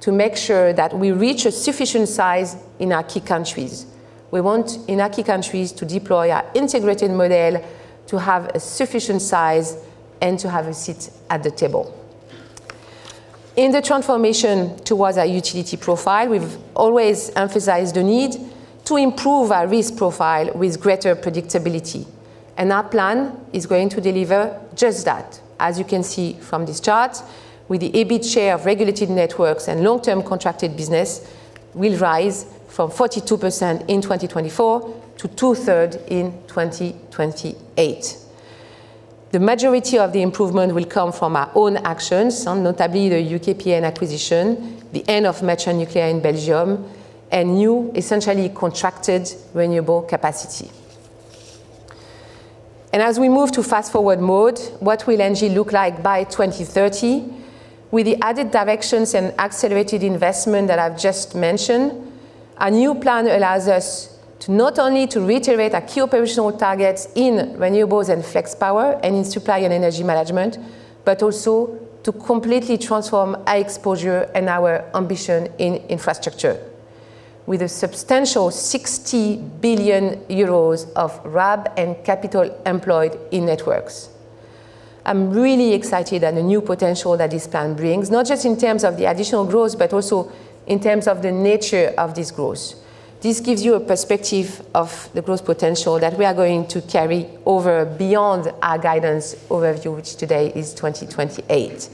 to make sure that we reach a sufficient size in our key countries. We want, in our key countries, to deploy our integrated model, to have a sufficient size, and to have a seat at the table. In the transformation towards our utility profile, we've always emphasized the need to improve our risk profile with greater predictability, and our plan is going to deliver just that. As you can see from this chart, with the EBIT share of regulated networks and long-term contracted business will rise from 42% in 2024 to 2/3 in 2028. The majority of the improvement will come from our own actions, some notably the UKPN acquisition, the end of merchant nuclear in Belgium, and new essentially contracted renewable capacity. What will ENGIE look like by 2030? With the added directions and accelerated investment that I've just mentioned, our new plan allows us to not only to reiterate our key operational targets in Renewables and Flex Power and in supply and Energy Solutions, but also to completely transform our exposure and our ambition in Infrastructure with a substantial 60 billion euros of RAB and capital employed in networks. I'm really excited at the new potential that this plan brings, not just in terms of the additional growth, but also in terms of the nature of this growth. This gives you a perspective of the growth potential that we are going to carry over beyond our guidance overview, which today is 2028.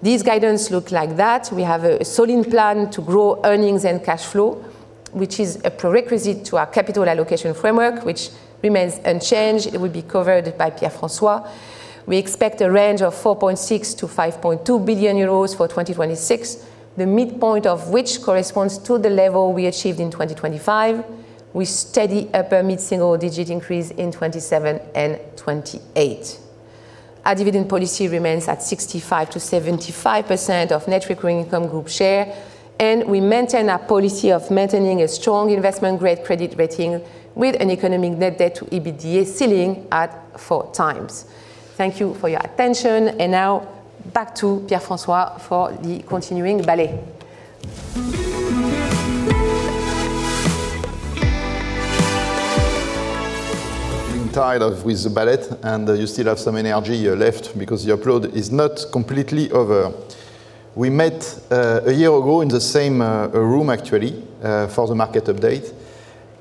This guidance look like that. We have a solid plan to grow earnings and cash flow, which is a prerequisite to our capital allocation framework, which remains unchanged. It will be covered by Pierre-François. We expect a range of 4.6 billion-5.2 billion euros for 2026, the midpoint of which corresponds to the level we achieved in 2025, with steady upper mid-single-digit increase in 2027 and 2028. Our dividend policy remains at 65%-75% of Net Recurring Income group share. We maintain our policy of maintaining a strong investment-grade credit rating with an economic Net Debt to EBITDA ceiling at 4x. Thank you for your attention, now back to Pierre-François for the continuing ballet. Being tired of with the ballet, you still have some energy left because the upload is not completely over. We met a year ago in the same room, actually, for the market update.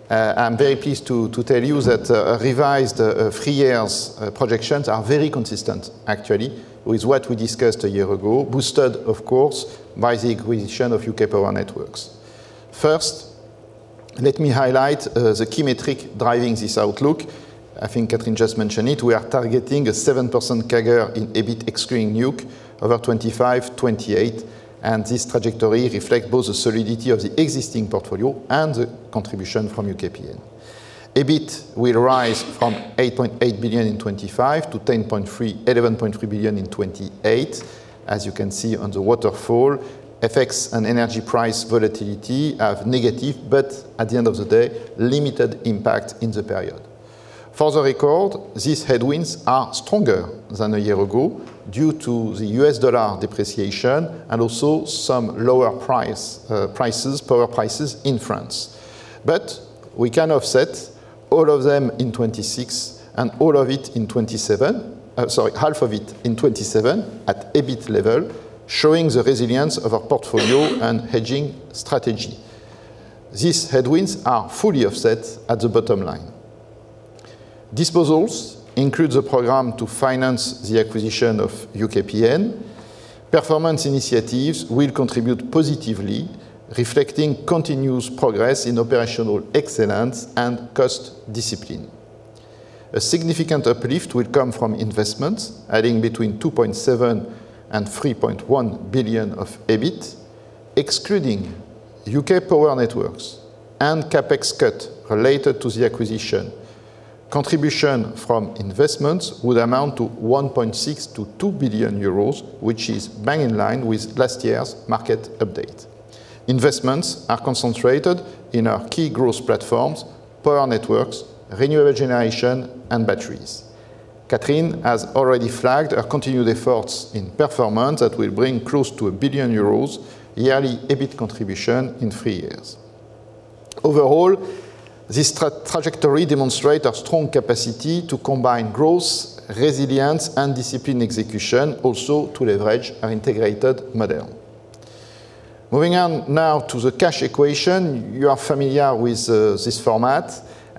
I'm very pleased to tell you that revised 3-year projections are very consistent, actually, with what we discussed a year ago, boosted, of course, by the acquisition of UK Power Networks. First, let me highlight the key metric driving this outlook. I think Catherine just mentioned it. We are targeting a 7% CAGR in EBIT, excluding nuke, over 2025-2028, and this trajectory reflect both the solidity of the existing portfolio and the contribution from UKPN. EBIT will rise from 8.8 billion in 2025 to 10.3-11.3 billion in 2028. As you can see on the waterfall, FX and energy price volatility have negative, but at the end of the day, limited impact in the period. For the record, these headwinds are stronger than a year ago due to the US dollar depreciation and also some lower power prices in France. We can offset all of them in 26 and half of it in 27 at EBIT level, showing the resilience of our portfolio and hedging strategy. These headwinds are fully offset at the bottom line. Disposals include the program to finance the acquisition of UKPN. Performance initiatives will contribute positively, reflecting continuous progress in operational excellence and cost discipline. A significant uplift will come from investments, adding between 2.7 billion and 3.1 billion of EBIT, excluding UK Power Networks and CapEx cut related to the acquisition. Contribution from investments would amount to 1.6 billion to 2 billion euros, which is bang in line with last year's market update. Investments are concentrated in our key growth platforms, power networks, renewable generation, and batteries. Catherine has already flagged our continued efforts in performance that will bring close to 1 billion euros yearly EBIT contribution in 3 years. Overall, this trajectory demonstrate our strong capacity to combine growth, resilience, and discipline execution, also to leverage our integrated model. Moving on now to the cash equation. You are familiar with this format.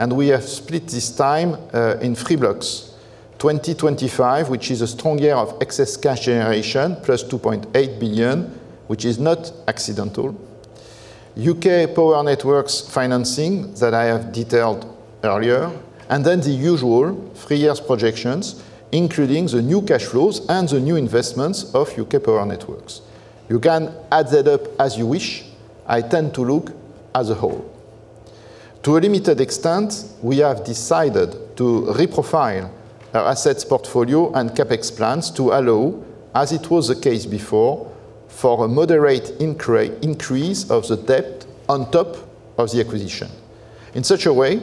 We have split this time in 3 blocks. 2025, which is a strong year of excess cash generation, + 2.8 billion, which is not accidental. UK Power Networks financing that I have detailed earlier, and then the usual 3 years projections, including the new cash flows and the new investments of UK Power Networks. You can add that up as you wish. I tend to look as a whole. To a limited extent, we have decided to reprofile our assets portfolio and CapEx plans to allow, as it was the case before, for a moderate increase of the debt on top of the acquisition, in such a way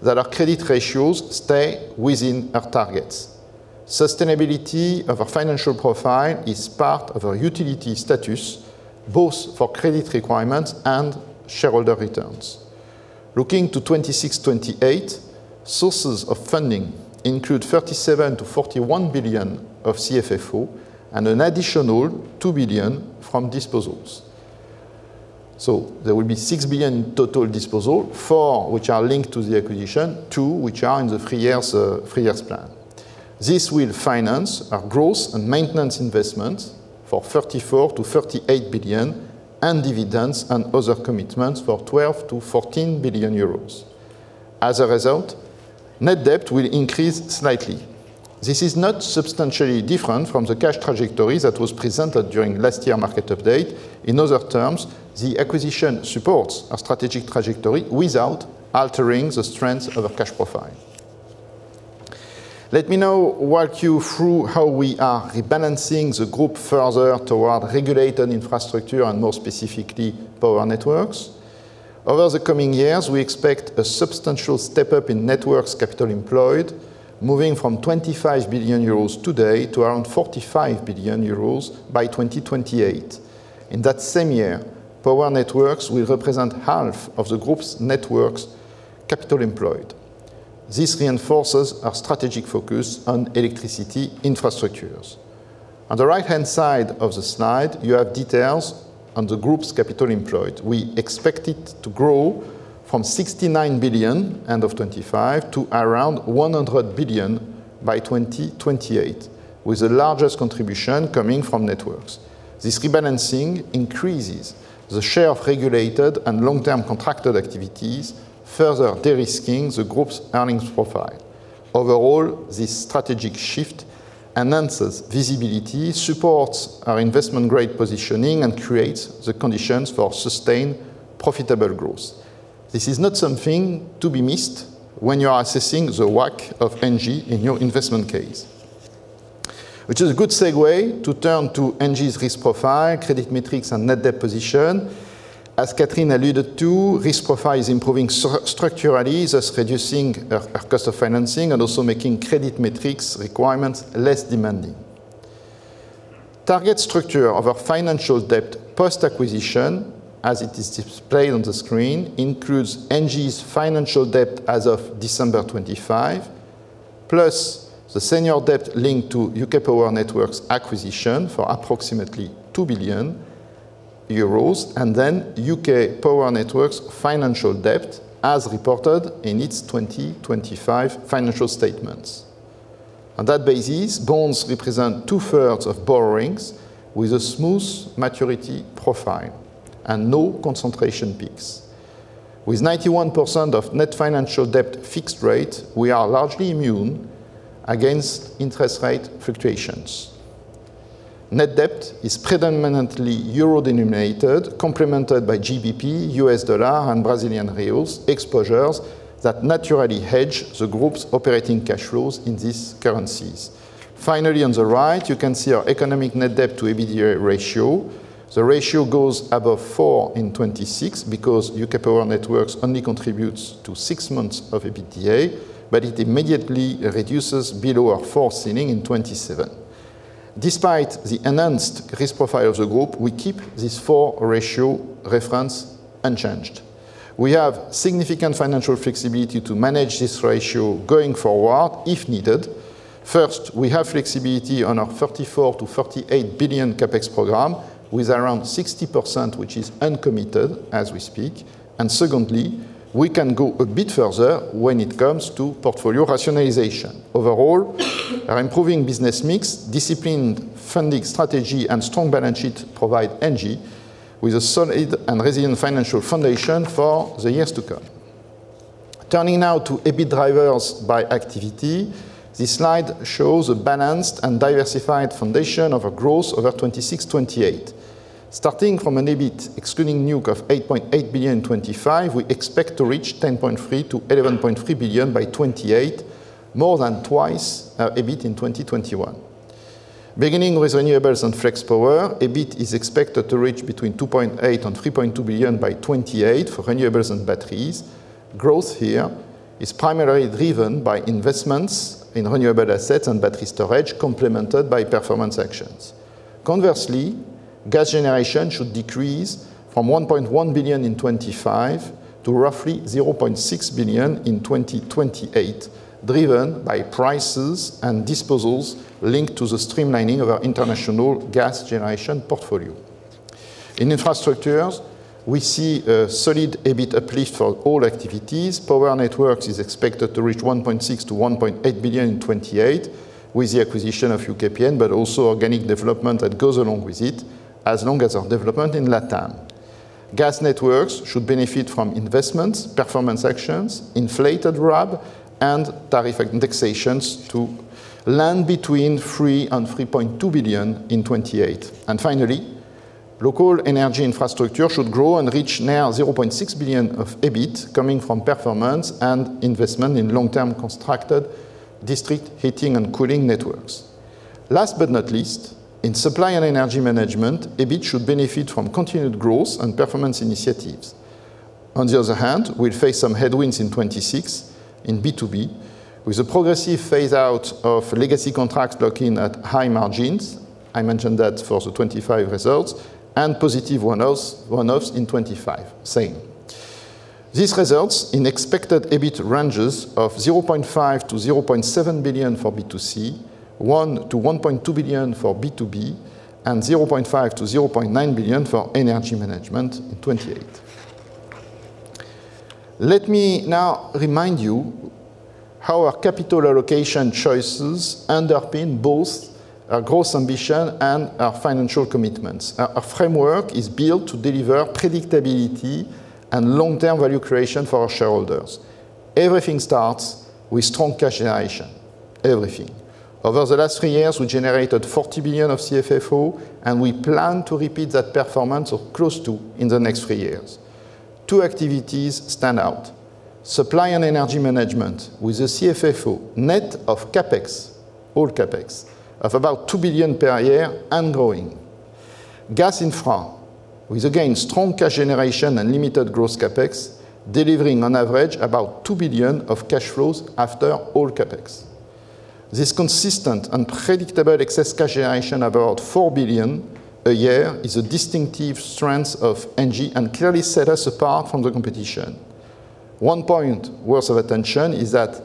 that our credit ratios stay within our targets. Sustainability of our financial profile is part of our utility status, both for credit requirements and shareholder returns. Looking to 2026-2028, sources of funding include 37 billion-41 billion of CFFO and an additional 2 billion from disposals. There will be 6 billion total disposal, 4 which are linked to the acquisition, 2 which are in the 3 years, 3 years plan. This will finance our growth and maintenance investments for 34 billion-38 billion, and dividends and other commitments for 12 billion-14 billion euros. As a result, Net Debt will increase slightly. This is not substantially different from the cash trajectory that was presented during last year market update. In other terms, the acquisition supports our strategic trajectory without altering the strength of our cash profile. Let me now walk you through how we are rebalancing the group further toward regulated infrastructure and more specifically, power networks. Over the coming years, we expect a substantial step-up in networks capital employed, moving from 25 billion euros today to around 45 billion euros by 2028. In that same year, Power Networks will represent half of the group's networks capital employed. This reinforces our strategic focus on electricity infrastructures. On the right-hand side of the slide, you have details on the group's capital employed. We expect it to grow from 69 billion, end of 2025, to around 100 billion by 2028, with the largest contribution coming from networks. This rebalancing increases the share of regulated and long-term contracted activities, further de-risking the group's earnings profile. Overall, this strategic shift enhances visibility, supports our investment grade positioning, and creates the conditions for sustained, profitable growth. This is not something to be missed when you are assessing the work of ENGIE in your investment case. Which is a good segue to turn to ENGIE's risk profile, credit metrics, and Net Debt position. As Catherine alluded to, risk profile is improving structurally, thus reducing our cost of financing and also making credit metrics requirements less demanding. Target structure of our financial debt post-acquisition, as it is displayed on the screen, includes ENGIE's financial debt as of December 25, plus the senior debt linked to UK Power Networks acquisition for approximately 2 billion euros, and then UK Power Networks financial debt, as reported in its 2025 financial statements. On that basis, bonds represent 2/3 of borrowings with a smooth maturity profile and no concentration peaks. With 91% of Net Financial Debt fixed rate, we are largely immune against interest rate fluctuations. Net Debt is predominantly euro-denominated, complemented by GBP, U.S. dollar, and Brazilian reals exposures that naturally hedge the group's operating cash flows in these currencies. Finally, on the right, you can see our economic Net Debt to EBITDA ratio. The ratio goes above four in 2026 because UK Power Networks only contributes to six months of EBITDA, it immediately reduces below our four ceiling in 2027. Despite the enhanced risk profile of the group, we keep this four ratio reference unchanged. We have significant financial flexibility to manage this ratio going forward if needed. First, we have flexibility on our 34 billion-38 billion CapEx program, with around 60%, which is uncommitted as we speak. Secondly, we can go a bit further when it comes to portfolio rationalization. Overall, our improving business mix, disciplined funding strategy, and strong balance sheet provide ENGIE with a solid and resilient financial foundation for the years to come. Turning now to EBIT drivers by activity, this slide shows a balanced and diversified foundation of our growth over 2026-2028. Starting from an EBIT excluding nuke of 8.8 billion in 2025, we expect to reach 10.3 billion-11.3 billion by 2028, more than twice our EBIT in 2021. Beginning with Renewables and Flex Power, EBIT is expected to reach between 2.8 billion and 3.2 billion by 2028 for renewables and batteries. Growth here is primarily driven by investments in renewable assets and battery storage, complemented by performance actions. Conversely, gas generation should decrease from 1.1 billion in 2025 to roughly 0.6 billion in 2028, driven by prices and disposals linked to the streamlining of our international gas generation portfolio. In Infrastructures, we see a solid EBIT uplift for all activities. Power Networks is expected to reach 1.6 billion-1.8 billion in 2028, with the acquisition of UKPN, but also organic development that goes along with it, as long as our development in Latam. Gas networks should benefit from investments, performance actions, inflated RAB, and tariff indexations to land between 3 billion and 3.2 billion in 2028. Finally, local energy infrastructure should grow and reach now 0.6 billion of EBIT, coming from performance and investment in long-term constructed district heating and cooling networks. Last but not least, in Supply and Energy Management, EBIT should benefit from continued growth and performance initiatives. We'll face some headwinds in 2026 in B2B, with a progressive phase-out of legacy contracts locking at high margins. I mentioned that for the 2025 results and positive one-offs in 2025, same. These results in expected EBIT ranges of 0.5 billion-0.7 billion for B2C, 1 billion-1.2 billion for B2B, and 0.5 billion-0.9 billion for energy management in 2028. Let me now remind you how our capital allocation choices underpin both our growth ambition and our financial commitments. Our framework is built to deliver predictability and long-term value creation for our shareholders. Everything starts with strong cash generation. Everything. Over the last three years, we generated 40 billion of CFFO. We plan to repeat that performance or close to in the next three years. Two activities stand out: Supply and Energy Management, with a CFFO net of CapEx, all CapEx, of about 2 billion per year and growing. Gas infra, with again, strong cash generation and limited growth CapEx, delivering on average about 2 billion of cash flows after all CapEx. This consistent and predictable excess cash generation, about 4 billion a year, is a distinctive strength of ENGIE and clearly set us apart from the competition. One point worth of attention is that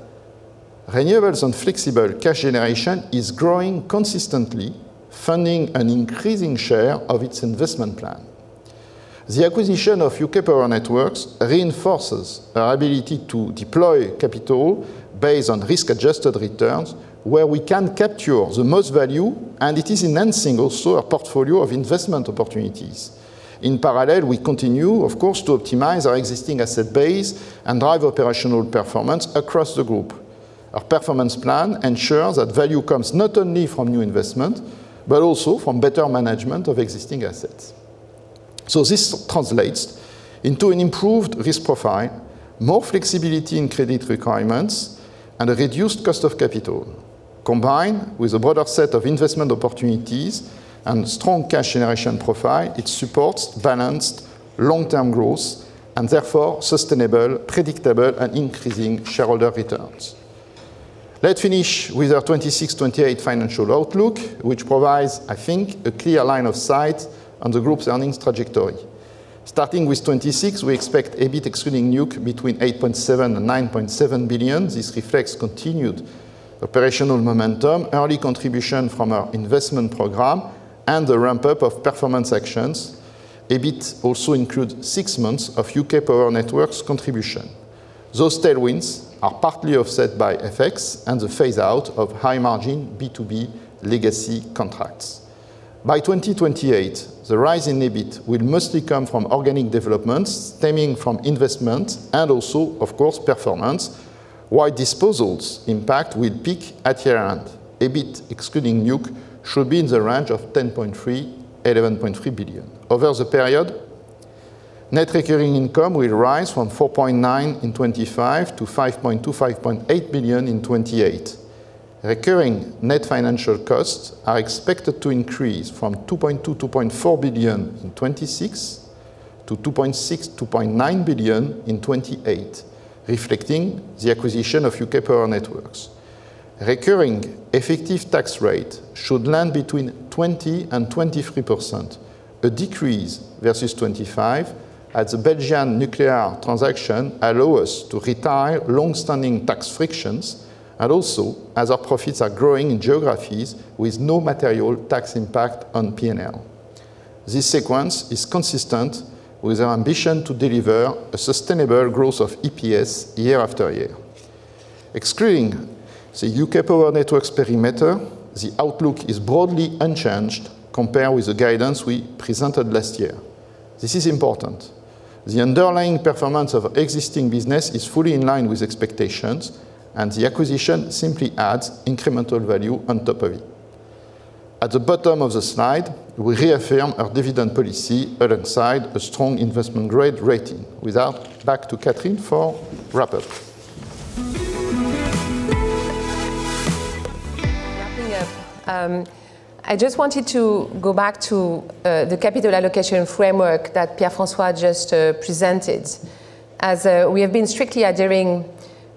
renewables and flexible cash generation is growing consistently, funding an increasing share of its investment plan. The acquisition of UK Power Networks reinforces our ability to deploy capital based on risk-adjusted returns, where we can capture the most value. It is enhancing also our portfolio of investment opportunities. In parallel, we continue, of course, to optimize our existing asset base and drive operational performance across the group. Our performance plan ensures that value comes not only from new investment, but also from better management of existing assets. This translates into an improved risk profile, more flexibility in credit requirements, and a reduced cost of capital. Combined with a broader set of investment opportunities and strong cash generation profile, it supports balanced long-term growth and therefore sustainable, predictable, and increasing shareholder returns. Let's finish with our 2026/2028 financial outlook, which provides, I think, a clear line of sight on the group's earnings trajectory. Starting with 2026, we expect EBIT excluding nuke between 8.7 billion and 9.7 billion. This reflects continued operational momentum, early contribution from our investment program, and the ramp-up of performance actions. EBIT also includes 6 months of UK Power Networks contribution. Those tailwinds are partly offset by FX and the phase-out of high-margin B2B legacy contracts. By 2028, the rise in EBIT will mostly come from organic developments stemming from investment and also, of course, performance, while disposals impact will peak at year-end. EBIT, excluding nuke, should be in the range of 10.3 billion-11.3 billion. Over the period, Net Recurring Income will rise from 4.9 billion in 2025 to 5.2 billion-5.8 billion in 2028. Recurring net financial costs are expected to increase from 2.2 billion-2.4 billion in 2026 to 2.6 billion-2.9 billion in 2028, reflecting the acquisition of UK Power Networks. Recurring effective tax rate should land between 20%-23%, a decrease versus 25%, as the Belgian nuclear transaction allow us to retire long-standing tax frictions and also as our profits are growing in geographies with no material tax impact on P&L. This sequence is consistent with our ambition to deliver a sustainable growth of EPS year after year. Excluding the UK Power Networks perimeter, the outlook is broadly unchanged compared with the guidance we presented last year. This is important. The underlying performance of existing business is fully in line with expectations, and the acquisition simply adds incremental value on top of it. At the bottom of the slide, we reaffirm our dividend policy alongside a strong investment grade rating. With that, back to Catherine for wrap-up. Wrapping up, I just wanted to go back to the capital allocation framework that Pierre-François just presented. As we have been strictly adhering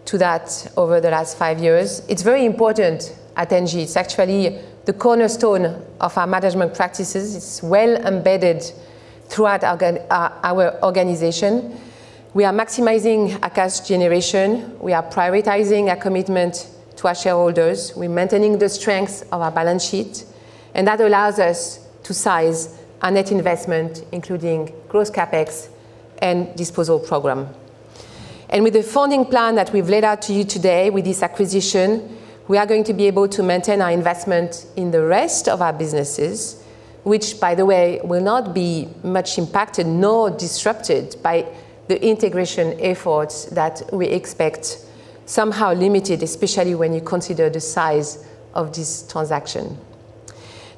to that over the last 5 years, it's very important at ENGIE. It's actually the cornerstone of our management practices. It's well embedded throughout our organization. We are maximizing our cash generation. We are prioritizing our commitment to our shareholders. We're maintaining the strength of our balance sheet, and that allows us to size our net investment, including gross CapEx and disposal program. With the funding plan that we've laid out to you today, with this acquisition, we are going to be able to maintain our investment in the rest of our businesses, which, by the way, will not be much impacted nor disrupted by the integration efforts that we expect, somehow limited, especially when you consider the size of this transaction.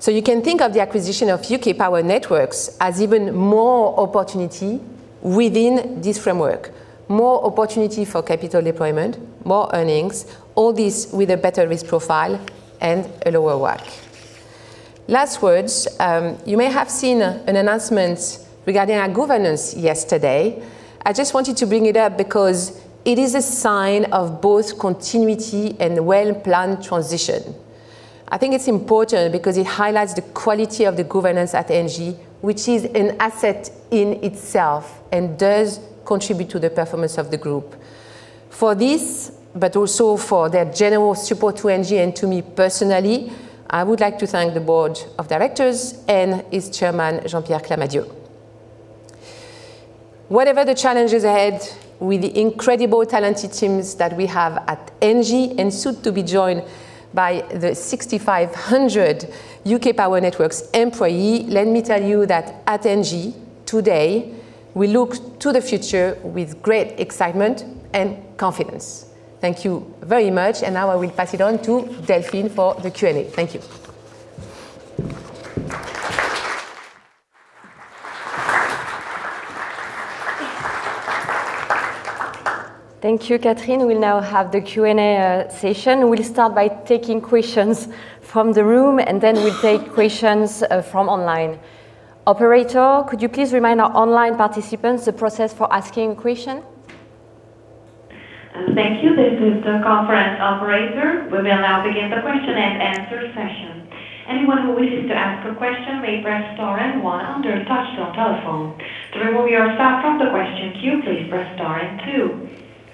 You can think of the acquisition of UK Power Networks as even more opportunity within this framework, more opportunity for capital deployment, more earnings, all this with a better risk profile and a lower WACC. Last words, you may have seen an announcement regarding our governance yesterday. I just wanted to bring it up because it is a sign of both continuity and well-planned transition. I think it's important because it highlights the quality of the governance at ENGIE, which is an asset in itself and does contribute to the performance of the group. For this, but also for their general support to ENGIE and to me personally, I would like to thank the Board of Directors and its chairman, Jean-Pierre Clamadieu. Whatever the challenges ahead, with the incredible talented teams that we have at ENGIE, and soon to be joined by the 6,500 UK Power Networks employee, let me tell you that at ENGIE, today, we look to the future with great excitement and confidence. Thank you very much, now I will pass it on to Delphine for the Q&A. Thank you. Thank you, Catherine. We'll now have the Q&A session. We'll start by taking questions from the room. Then we'll take questions from online. Operator, could you please remind our online participants the process for asking a question? Thank you. This is the conference operator. We will now begin the question and answer session. Anyone who wishes to ask a question may press star and one on their touchtone telephone. To remove yourself from the question queue, please press star and two.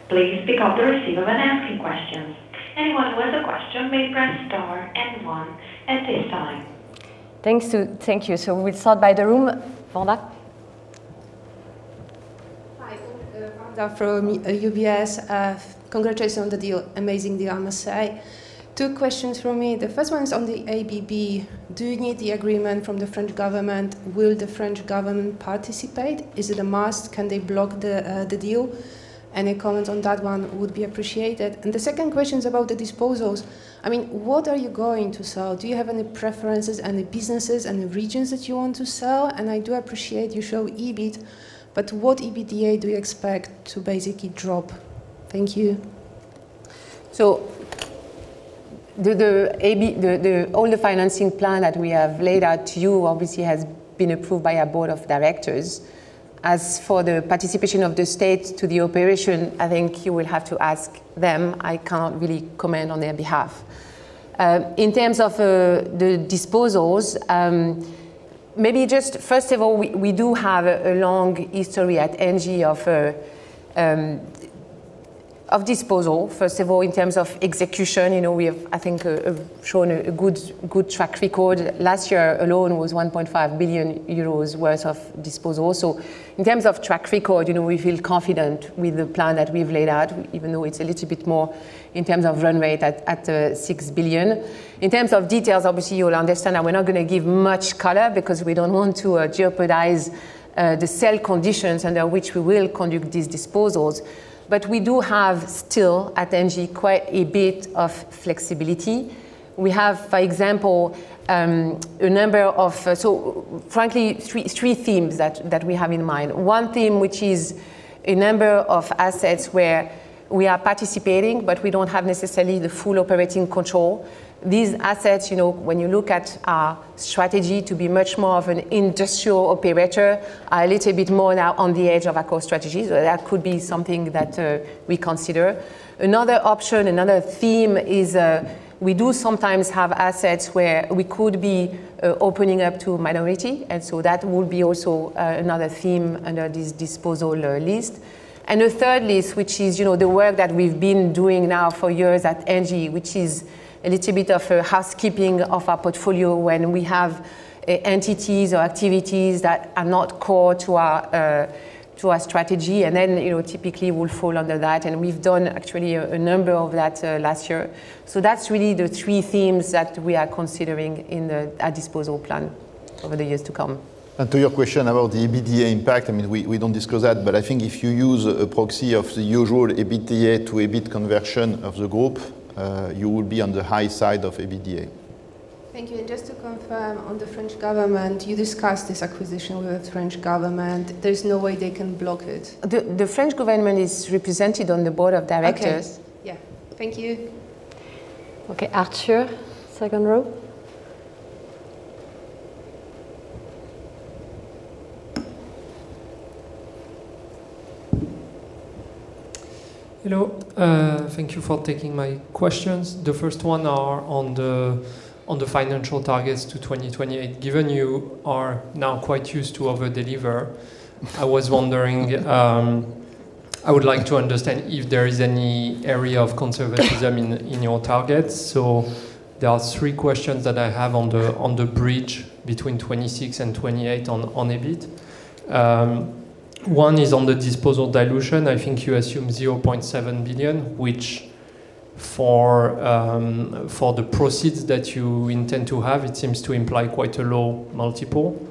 Please pick up the receiver when asking questions. Anyone who has a question may press star and one at this time. Thank you. We'll start by the room. Wanda? Hi, Wanda from UBS. Congratulations on the deal. Amazing deal, I must say. Two questions from me. The first one is on the [ABB]. Do you need the agreement from the French government? Will the French government participate? Is it a must? Can they block the deal? Any comment on that one would be appreciated. The second question is about the disposals. I mean, what are you going to sell? Do you have any preferences, any businesses, any regions that you want to sell? I do appreciate you show EBIT, but what EBITDA do you expect to basically drop? Thank you. The financing plan that we have laid out to you obviously has been approved by our Board of Directors. As for the participation of the state to the operation, I think you will have to ask them. I can't really comment on their behalf. In terms of the disposals, maybe just first of all, we do have a long history at ENGIE of disposal, first of all, in terms of execution, you know, we have, I think, shown a good track record. Last year alone was 1.5 billion euros worth of disposal. In terms of track record, you know, we feel confident with the plan that we've laid out, even though it's a little bit more in terms of run rate at 6 billion. In terms of details, obviously, you will understand that we're not gonna give much color because we don't want to jeopardize the sale conditions under which we will conduct these disposals. We do have still, at ENGIE, quite a bit of flexibility. We have, for example, a number of, frankly, three themes that we have in mind. One theme, which is a number of assets where we are participating, but we don't have necessarily the full operating control. These assets, you know, when you look at our strategy to be much more of an industrial operator, are a little bit more now on the edge of our core strategy, that could be something that we consider. Another option, another theme is, we do sometimes have assets where we could be opening up to a minority, and so that would be also another theme under this disposal list. A third list, which is, you know, the work that we've been doing now for years at ENGIE, which is a little bit of a housekeeping of our portfolio when we have entities or activities that are not core to our to our strategy, and then, you know, typically will fall under that, and we've done actually a number of that last year. That's really the three themes that we are considering in our disposal plan over the years to come. To your question about the EBITDA impact, I mean, we don't discuss that, but I think if you use a proxy of the usual EBITDA to EBIT conversion of the group, you will be on the high side of EBITDA. Thank you. Just to confirm on the French government, you discussed this acquisition with the French government. There's no way they can block it? The French government is represented on the Board of Directors. Okay. Yeah. Thank you. Okay, Arthur, second row. Hello. Thank you for taking my questions. The first one are on the financial targets to 2028. Given you are now quite used to over-deliver, I was wondering, I would like to understand if there is any area of conservatism in your targets. There are three questions that I have on the bridge between 2026 and 2028 on EBIT. One is on the disposal dilution. I think you assume 0.7 billion, which for the proceeds that you intend to have, it seems to imply quite a low multiple.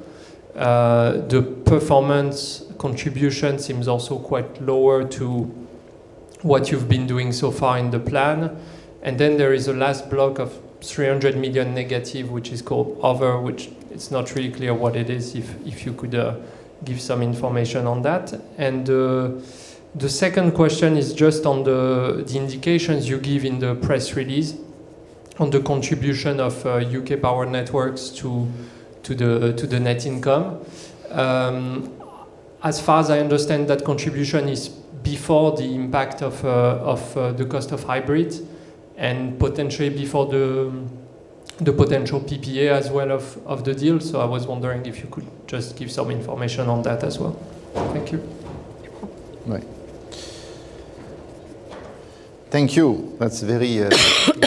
The performance contribution seems also quite lower to what you've been doing so far in the plan. There is a last block of 300 million negative, which is called other, which it's not really clear what it is, if you could give some information on that. The second question is just on the indications you give in the press release on the contribution of UK Power Networks to the net income. As far as I understand, that contribution is before the impact of the cost of hybrid and potentially before the potential PPA as well of the deal. I was wondering if you could just give some information on that as well. Thank you. Thank you. That's a very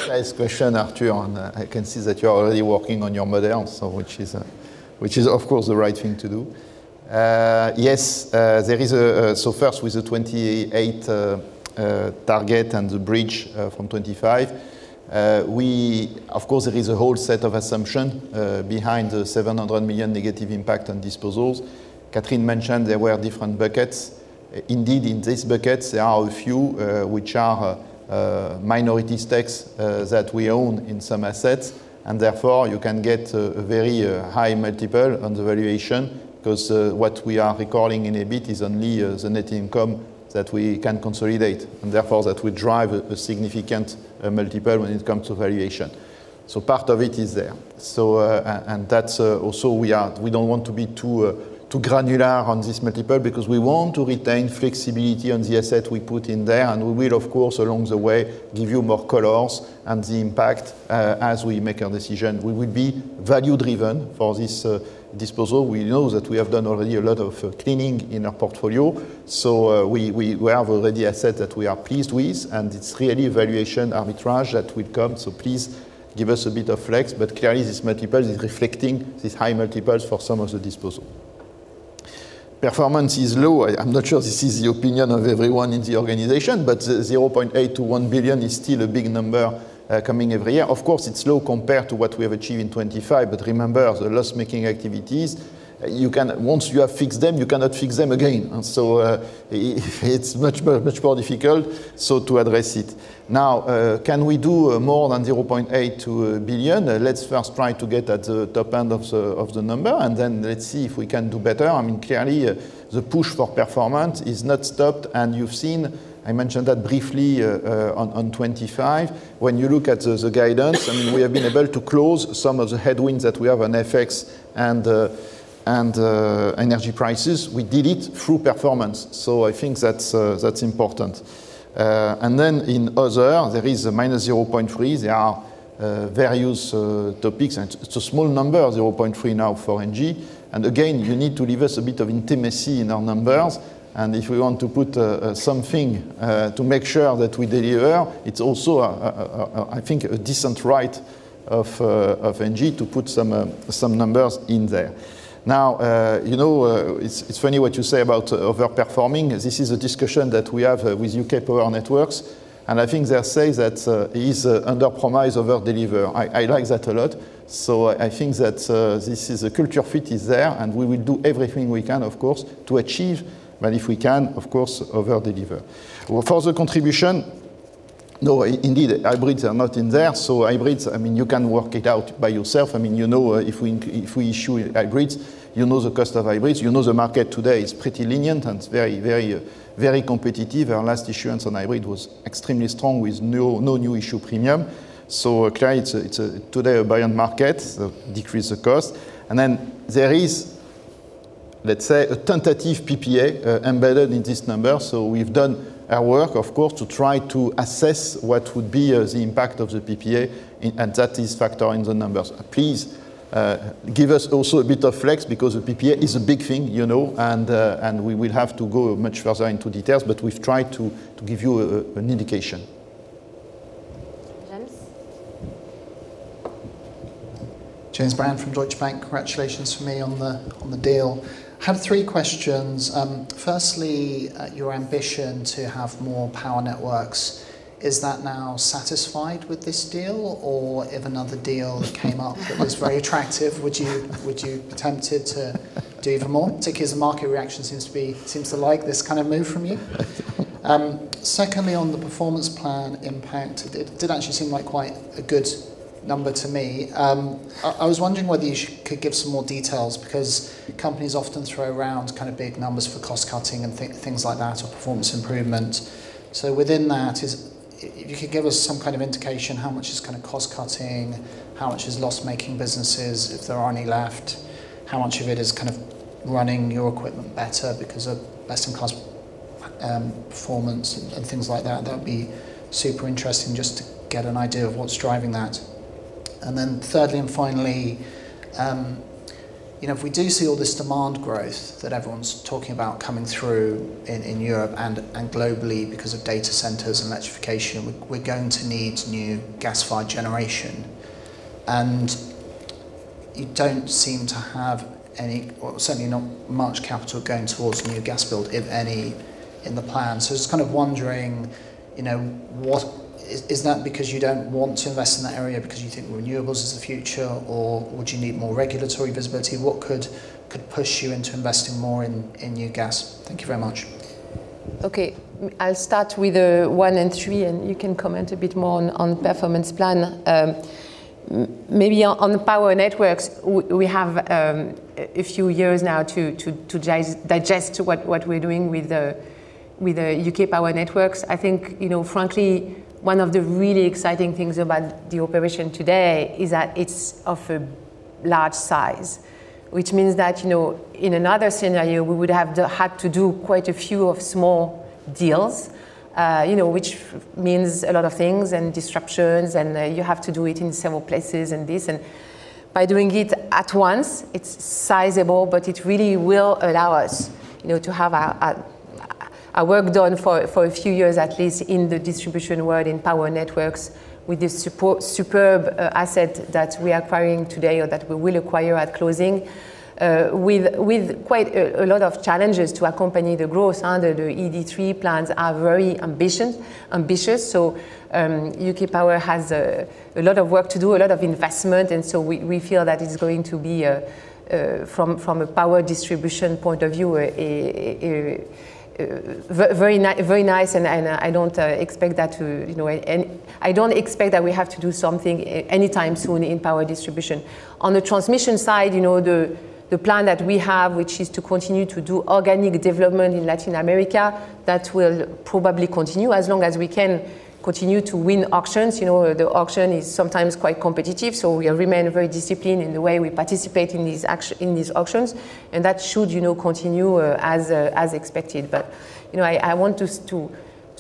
nice question, Arthur, and I can see that you are already working on your model, which is, of course, the right thing to do. Yes, first, with the 2028 target and the bridge from 2025, of course, there is a whole set of assumption behind the 700 million negative impact on disposals. Catherine mentioned there were different buckets. Indeed, in these buckets, there are a few which are minority stakes that we own in some assets. Therefore, you can get a very high multiple on the valuation because what we are recording in EBIT is only the net income that we can consolidate. Therefore, that will drive a significant multiple when it comes to valuation. Part of it is there. That's also we don't want to be too granular on this multiple because we want to retain flexibility on the asset we put in there. We will, of course, along the way, give you more colors and the impact as we make our decision. We will be value driven for this disposal. We know that we have done already a lot of cleaning in our portfolio. We have already assets that we are pleased with, and it's really valuation arbitrage that will come. Please give us a bit of flex. Clearly, this multiple is reflecting these high multiples for some of the disposal. Performance is low. I'm not sure this is the opinion of everyone in the organization, 0.8 billion-1 billion is still a big number coming every year. Of course, it's low compared to what we have achieved in 2025, remember, the loss-making activities, Once you have fixed them, you cannot fix them again. It's much more difficult to address it. Can we do more than 0.8 billion-1 billion? Let's first try to get at the top end of the number, and then let's see if we can do better. I mean, clearly, the push for performance is not stopped, and you've seen, I mentioned that briefly, on 2025. When you look at the guidance, I mean, we have been able to close some of the headwinds that we have on FX and energy prices. We did it through performance, so I think that's important. In other, there is a -0.3. There are various topics, and it's a small number, -0.3 now for ENGIE. Again, you need to leave us a bit of intimacy in our numbers, and if we want to put something to make sure that we deliver, it's also I think, a decent right of ENGIE to put some numbers in there. You know, it's funny what you say about over-performing. This is a discussion that we have with UK Power Networks. I think they say that is underpromise, overdeliver. I like that a lot. I think that this is a culture fit is there, and we will do everything we can, of course, to achieve, but if we can, of course, overdeliver. For the contribution, no, indeed, hybrids are not in there. Hybrids, I mean, you can work it out by yourself. I mean, you know, if we issue hybrids, you know the cost of hybrids. You know the market today is pretty lenient, and it's very, very, very competitive. Our last issuance on hybrid was extremely strong, with no new issue premium. Clearly, it's a today, a buy on market, decrease the cost. There is, let's say, a tentative PPA embedded in this number. We've done our work, of course, to try to assess what would be the impact of the PPA, and that is factored in the numbers. Please give us also a bit of flex, because a PPA is a big thing, you know, and we will have to go much further into details, but we've tried to give you an indication. James? James Brand from Deutsche Bank. Congratulations to me on the deal. Have three questions. Firstly, your ambition to have more power networks, is that now satisfied with this deal? If another deal came up that was very attractive, would you be tempted to do even more? Particularly as the market reaction seems to like this kind of move from you. Secondly, on the performance plan impact, it did actually seem like quite a good number to me. I was wondering whether you could give some more details, because companies often throw around kind of big numbers for cost cutting and things like that, or performance improvement. Within that, is... If you could give us some kind of indication how much is kind of cost cutting, how much is loss-making businesses, if there are any left, how much of it is kind of running your equipment better because of less in cost, performance and things like that. That would be super interesting just to get an idea of what's driving that. Thirdly, and finally, you know, if we do see all this demand growth that everyone's talking about coming through in Europe and globally because of data centers and electrification, we're going to need new gas-fired generation. You don't seem to have any, or certainly not much capital going towards new gas build, if any, in the plan. Just kind of wondering, you know, what... Is that because you don't want to invest in that area because you think renewables is the future, or would you need more regulatory visibility? What could push you into investing more in new gas? Thank you very much. Okay. I'll start with one and three. You can comment a bit more on performance plan. Maybe on the power networks, we have a few years now to just digest what we're doing with the, with the UK Power Networks. I think, you know, frankly, one of the really exciting things about the operation today is that it's of a large size, which means that, you know, in another scenario, we would have had to do quite a few of small deals, you know, which means a lot of things and disruptions, and you have to do it in several places and this. By doing it at once, it's sizable, but it really will allow us, you know, to have our work done for a few years, at least in the distribution world, in power networks, with this superb asset that we are acquiring today or that we will acquire at closing, with quite a lot of challenges to accompany the growth under the ED3 plans are very ambitious. UK Power Networks has a lot of work to do, a lot of investment, and we feel that it's going to be from a power distribution point of view, a very nice, and I don't expect that to, you know... I don't expect that we have to do something anytime soon in power distribution. On the transmission side, you know, the plan that we have, which is to continue to do organic development in Latin America, that will probably continue as long as we can continue to win auctions. You know, the auction is sometimes quite competitive. We remain very disciplined in the way we participate in these auctions. That should, you know, continue as expected. You know, I want us to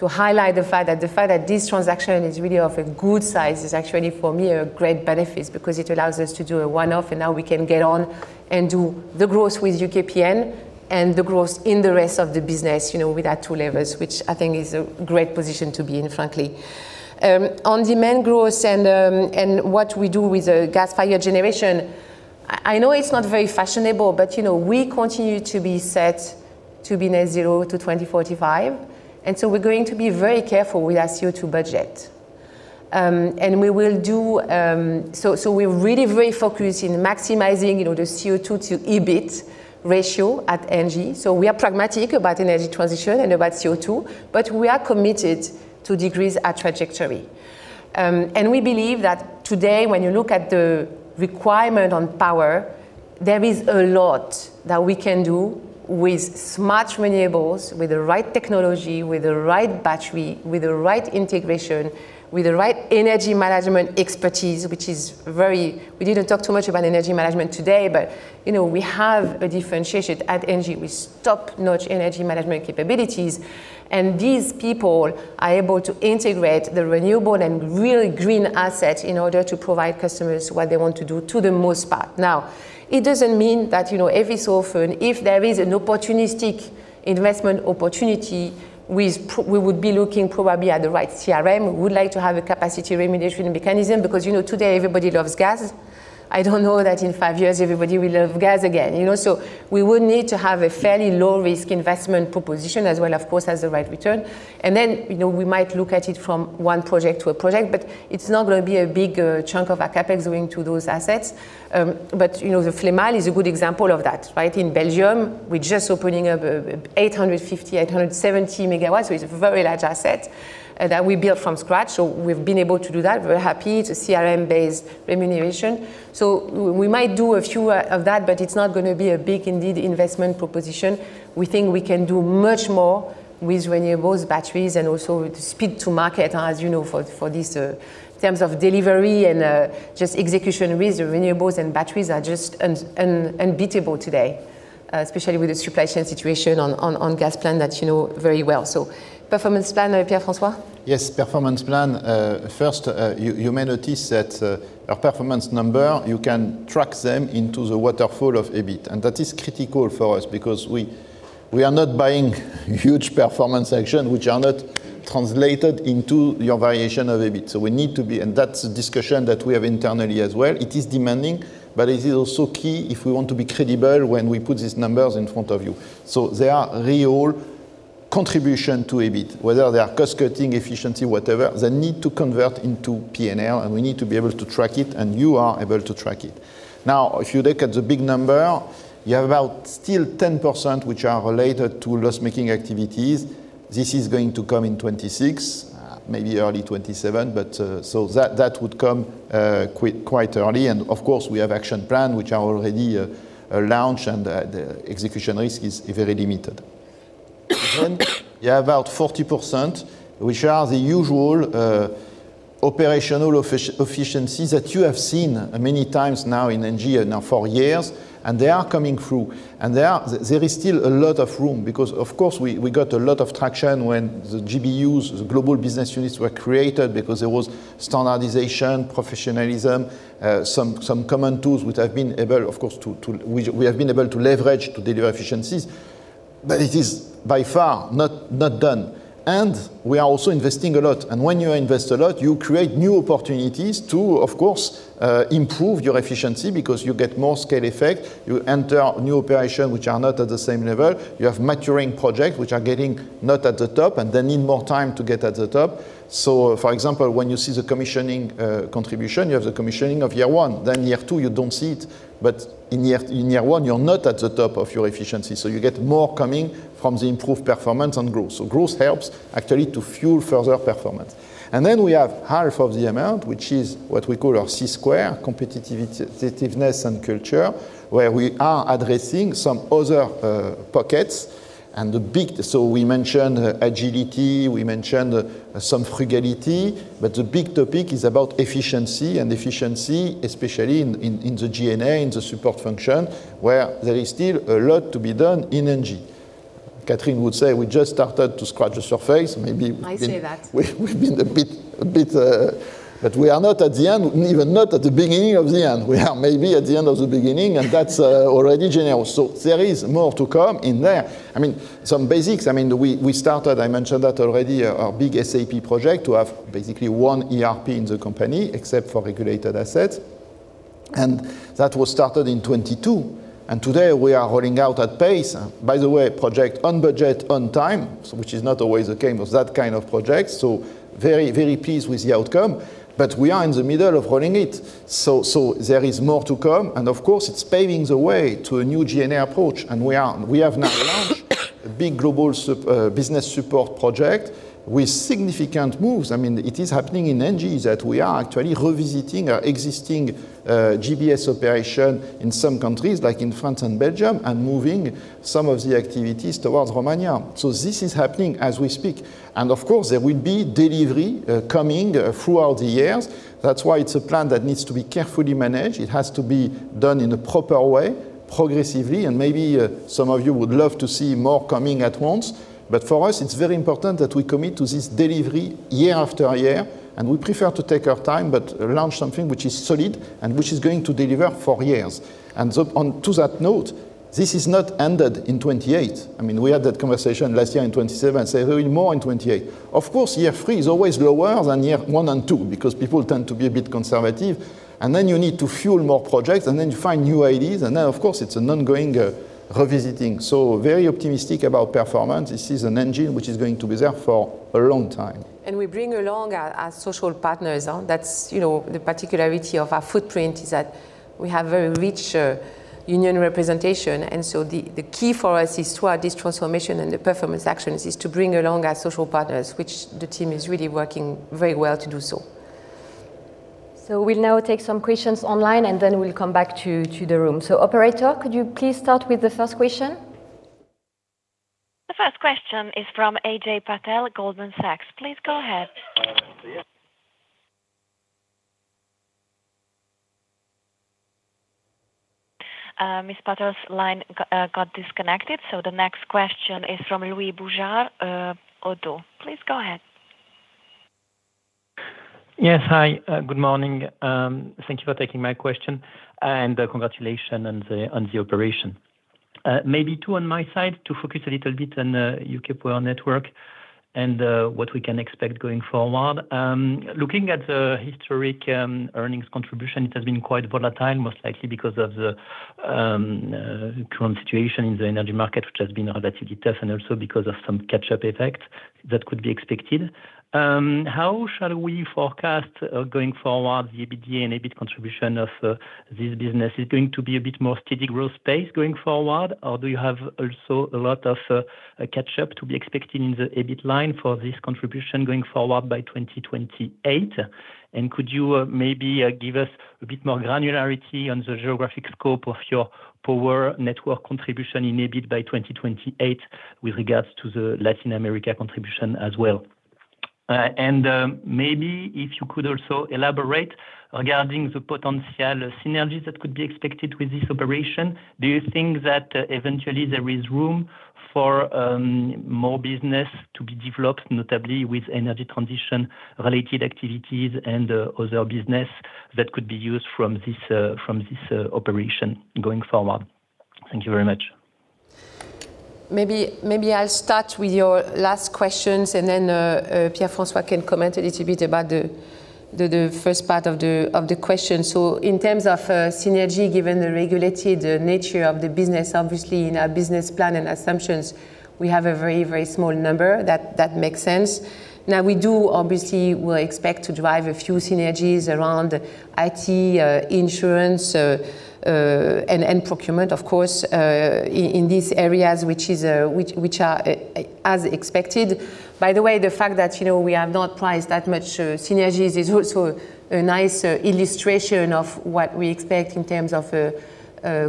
highlight the fact that the fact that this transaction is really of a good size is actually, for me, a great benefit because it allows us to do a one-off. Now we can get on and do the growth with UKPN and the growth in the rest of the business, you know, with our two levers, which I think is a great position to be in, frankly. On demand growth and what we do with the gas-fired generation, I know it's not very fashionable, but, you know, we continue to be set to be Net Zero to 2045, and so we're going to be very careful with our CO2 budget. We're really very focused in maximizing, you know, the CO2 to EBIT ratio at ENGIE. We are pragmatic about energy transition and about CO2, but we are committed to decrease our trajectory. We believe that today, when you look at the requirement on power, there is a lot that we can do with smart renewables, with the right technology, with the right battery, with the right integration, with the right energy management expertise. We didn't talk too much about energy management today, you know, we have a differentiation at ENGIE with top-notch energy management capabilities, and these people are able to integrate the renewable and really green assets in order to provide customers what they want to do, to the most part. It doesn't mean that, you know, every so often, if there is an opportunistic investment opportunity, we would be looking probably at the right CRM. We would like to have a capacity remediation mechanism. You know, today everybody loves gas. I don't know that in five years, everybody will love gas again, you know? We would need to have a fairly low-risk investment proposition, as well, of course, as the right return. You know, we might look at it from one project to a project, but it's not going to be a big chunk of our CapEx going to those assets. You know, the Flémalle is a good example of that, right? In Belgium, we're just opening up 850 MW- 870 MW, so it's a very large asset that we built from scratch. We've been able to do that. We're happy. It's a CRM-based remuneration. We might do a few of that, but it's not gonna be a big, indeed, investment proposition. We think we can do much more with renewables, batteries, and also with speed to market, as you know, for this, in terms of delivery and, just execution with renewables and batteries are just unbeatable today, especially with the supply chain situation on gas plant that you know very well. Performance plan, Pierre-François? Yes, performance plan. First, you may notice that our performance number, you can track them into the waterfall of EBIT. That is critical for us because we are not buying huge performance action, which are not translated into your variation of EBIT. We need to be, and that's a discussion that we have internally as well. It is demanding, but it is also key if we want to be credible when we put these numbers in front of you. They are real contribution to EBIT, whether they are cost-cutting, efficiency, whatever, they need to convert into P&L, and we need to be able to track it, and you are able to track it. If you look at the big number, you have about still 10%, which are related to loss-making activities. This is going to come in 2026, maybe early 2027. That would come quite early. Of course, we have action plan, which are already launched, the execution risk is very limited. You have about 40%, which are the usual operational efficiency that you have seen many times now in ENGIE now for years, and they are coming through. There is still a lot of room because, of course, we got a lot of traction when the GBUs, the Global Business Units, were created because there was standardization, professionalism, some common tools, which have been able, of course, to leverage to deliver efficiencies, but it is by far not done. We are also investing a lot. When you invest a lot, you create new opportunities to, of course, improve your efficiency because you get more scale effect, you enter new operation, which are not at the same level. You have maturing projects, which are getting not at the top and they need more time to get at the top. For example, when you see the commissioning, contribution, you have the commissioning of year one, then year two, you don't see it. In year one, you're not at the top of your efficiency, so you get more coming from the improved performance and growth. Growth helps actually to fuel further performance. We have half of the amount, which is what we call our C square, competitiveness and culture, where we are addressing some other, pockets and we mentioned agility, we mentioned some frugality, but the big topic is about efficiency, and efficiency, especially in the G&A, in the support function, where there is still a lot to be done in ENGIE. Catherine would say we just started to scratch the surface. I say that. We've been a bit. We are not at the end, even not at the beginning of the end. We are maybe at the end of the beginning, and that's already general. There is more to come in there. I mean, some basics, we started, I mentioned that already, our big SAP project to have basically one ERP in the company, except for regulated assets, and that was started in 2022, and today we are rolling out at pace. By the way, project on budget, on time, which is not always the case of that kind of project. Very, very pleased with the outcome, but we are in the middle of rolling it. There is more to come. Of course, it's paving the way to a new G&A approach. We have now launched a big global business support project with significant moves. I mean, it is happening in ENGIE that we are actually revisiting our existing GBS operation in some countries, like in France and Belgium, and moving some of the activities towards Romania. This is happening as we speak. Of course, there will be delivery coming throughout the years. That's why it's a plan that needs to be carefully managed. It has to be done in a proper way, progressively, and maybe some of you would love to see more coming at once. For us, it's very important that we commit to this delivery year after year, and we prefer to take our time, but launch something which is solid and which is going to deliver for years. On to that note, this is not ended in 2028. I mean, we had that conversation last year in 202027, say there will be more in 28. Of course, year three is always lower than year one and two, because people tend to be a bit conservative, and then you need to fuel more projects, and then you find new ideas, and then of course, it's an ongoing revisiting. Very optimistic about performance. This is an engine which is going to be there for a long time. We bring along our social partners, that's, you know, the particularity of our footprint, is that we have very rich union representation. The key for us is throughout this transformation and the performance actions, is to bring along our social partners, which the team is really working very well to do so. We'll now take some questions online, and then we'll come back to the room. Operator, could you please start with the first question? The first question is from Ajay Patel, Goldman Sachs. Please go ahead. Ms. Patel's line got disconnected, the next question is from Louis Boujard, Oddo. Please go ahead. Yes. Hi, good morning. Thank you for taking my question and congratulations on the operation. Maybe two on my side to focus a little bit on UK Power Networks and what we can expect going forward. Looking at the historic earnings contribution, it has been quite volatile, most likely because of the current situation in the energy market, which has been relatively tough and also because of some catch-up effect that could be expected. How shall we forecast going forward, the EBITDA and EBIT contribution of this business? Is it going to be a bit more steady growth pace going forward, or do you have also a lot of catch up to be expected in the EBIT line for this contribution going forward by 2028? Could you, maybe, give us a bit more granularity on the geographic scope of your power network contribution in EBIT by 2028 with regards to the Latin America contribution as well? Maybe if you could also elaborate regarding the potential synergies that could be expected with this operation? Do you think that eventually there is room for, more business to be developed, notably with energy transition-related activities and, other business?... that could be used from this operation going forward. Thank you very much. Maybe I'll start with your last questions, and then Pierre-François can comment a little bit about the first part of the question. In terms of synergy, given the regulated nature of the business, obviously in our business plan and assumptions, we have a very small number. That makes sense. Now, we do obviously, we expect to drive a few synergies around IT, insurance, and procurement, of course, in these areas, which are as expected. By the way, the fact that, you know, we have not priced that much synergies is also a nice illustration of what we expect in terms of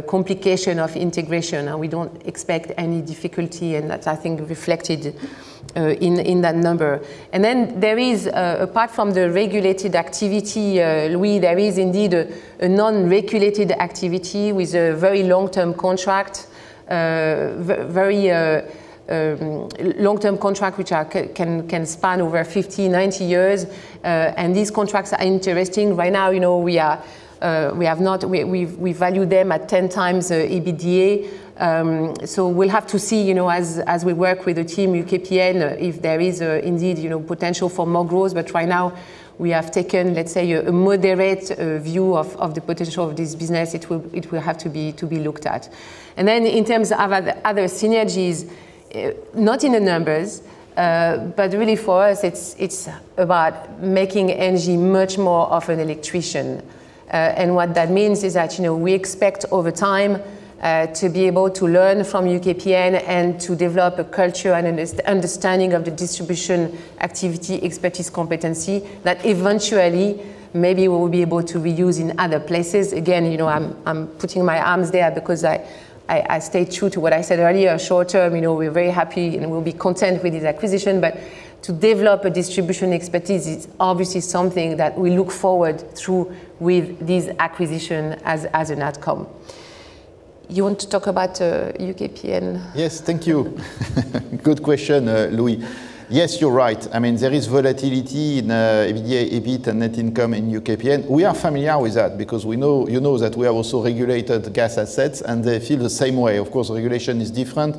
complication of integration, and we don't expect any difficulty, and that's, I think, reflected in that number. There is, apart from the regulated activity, Louis, there is indeed a non-regulated activity with a very long-term contract, very long-term contract, which are can span over 50, 90 years. These contracts are interesting. Right now, you know, we are, we've, we value them at 10x the EBITDA. We'll have to see, you know, as we work with the team, UKPN, if there is, indeed, you know, potential for more growth. Right now, we have taken, let's say, a moderate view of the potential of this business. It will, it will have to be, to be looked at. In terms of other synergies, not in the numbers, but really for us, it's about making ENGIE much more of an electrician. What that means is that, you know, we expect over time to be able to learn from UKPN and to develop a culture and understanding of the distribution activity, expertise, competency, that eventually maybe we will be able to reuse in other places. Again, you know, I'm putting my arms there because I stay true to what I said earlier. Short term, you know, we're very happy, and we'll be content with this acquisition, but to develop a distribution expertise, it's obviously something that we look forward through with this acquisition as an outcome. You want to talk about UKPN? Yes, thank you. Good question, Louis. Yes, you're right. I mean, there is volatility in EBITDA, EBIT, and net income in UKPN. We are familiar with that because we know, you know that we have also regulated gas assets, and they feel the same way. Of course, regulation is different.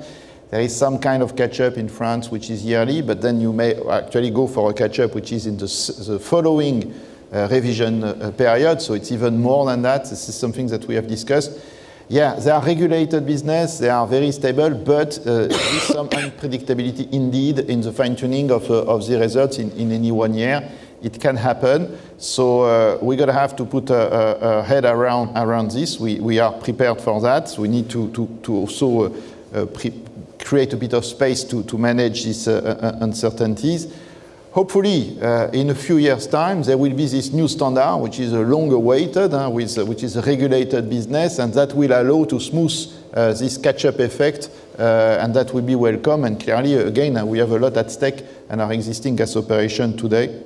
There is some kind of catch-up in France, which is yearly, but then you may actually go for a catch-up, which is in the following revision period, so it's even more than that. This is something that we have discussed. Yeah, they are regulated business, they are very stable, but there is some unpredictability indeed in the fine-tuning of the results in any one year. It can happen. We're gonna have to put a head around this. We are prepared for that. We need to also create a bit of space to manage these uncertainties. Hopefully, in a few years' time, there will be this new standard, which is a longer weighted, which is a regulated business, and that will allow to smooth this catch-up effect, and that will be welcome. Clearly, again, we have a lot at stake in our existing gas operation today.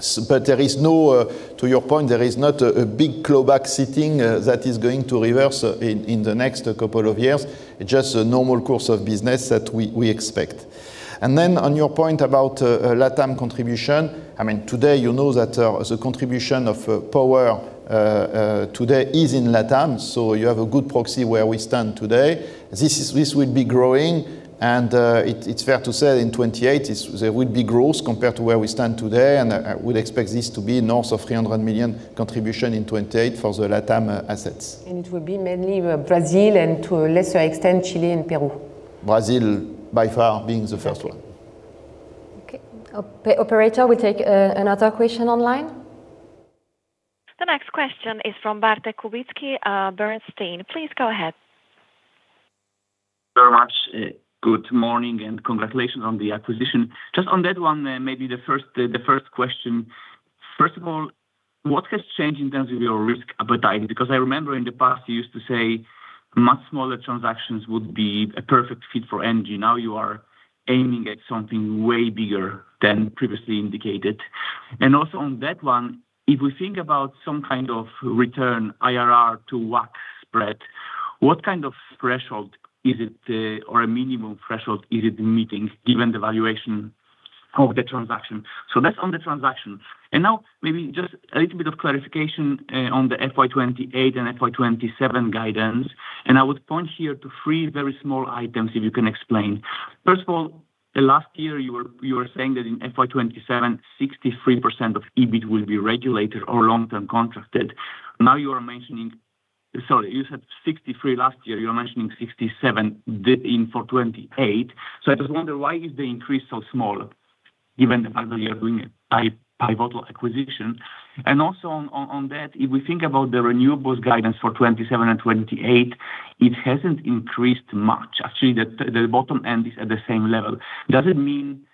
There is no, to your point, there is not a big clawback sitting that is going to reverse in the next couple of years. Just a normal course of business that we expect. On your point about Latam contribution, I mean, today, you know that the contribution of power today is in Latam, so you have a good proxy where we stand today. This will be growing. It's fair to say in 2028, there will be growth compared to where we stand today. We'd expect this to be north of 300 million contribution in 2028 for the Latam assets. It will be mainly Brazil and to a lesser extent, Chile and Peru. Brazil, by far, being the first one. Okay. Operator, we take another question online. The next question is from Bartek Kubicki, Bernstein. Please go ahead. Very much. Good morning and congratulations on the acquisition. Just on that one, maybe the first question. First of all, what has changed in terms of your risk appetite? Because I remember in the past, you used to say much smaller transactions would be a perfect fit for ENGIE. Now you are aiming at something way bigger than previously indicated. Also on that one, if we think about some kind of return, IRR to WACC spread, what kind of threshold is it, or a minimum threshold is it meeting, given the valuation of the transaction? So that's on the transaction. Now maybe just a little bit of clarification, on the FY 2028 and FY 2027 guidance, and I would point here to three very small items, if you can explain. First of all, last year, you were saying that in FY 2027, 63% of EBIT will be regulated or long-term contracted. Sorry, you said 63% last year. You are mentioning 67% for 2028. I just wonder, why is the increase so small, given the fact that you are doing a pivotal acquisition? Also on that, if we think about the renewables guidance for 2027 and 2028, it hasn't increased much. Actually, the bottom end is at the same level. Does it mean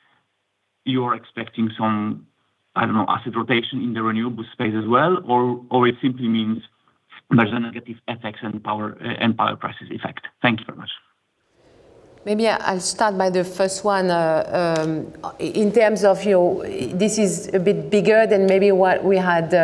you're expecting some, I don't know, asset rotation in the renewables space as well, or it simply means there's a negative effect on power and power prices effect? Thank you very much.... maybe I'll start by the first one. In terms of, you know, this is a bit bigger than maybe what we had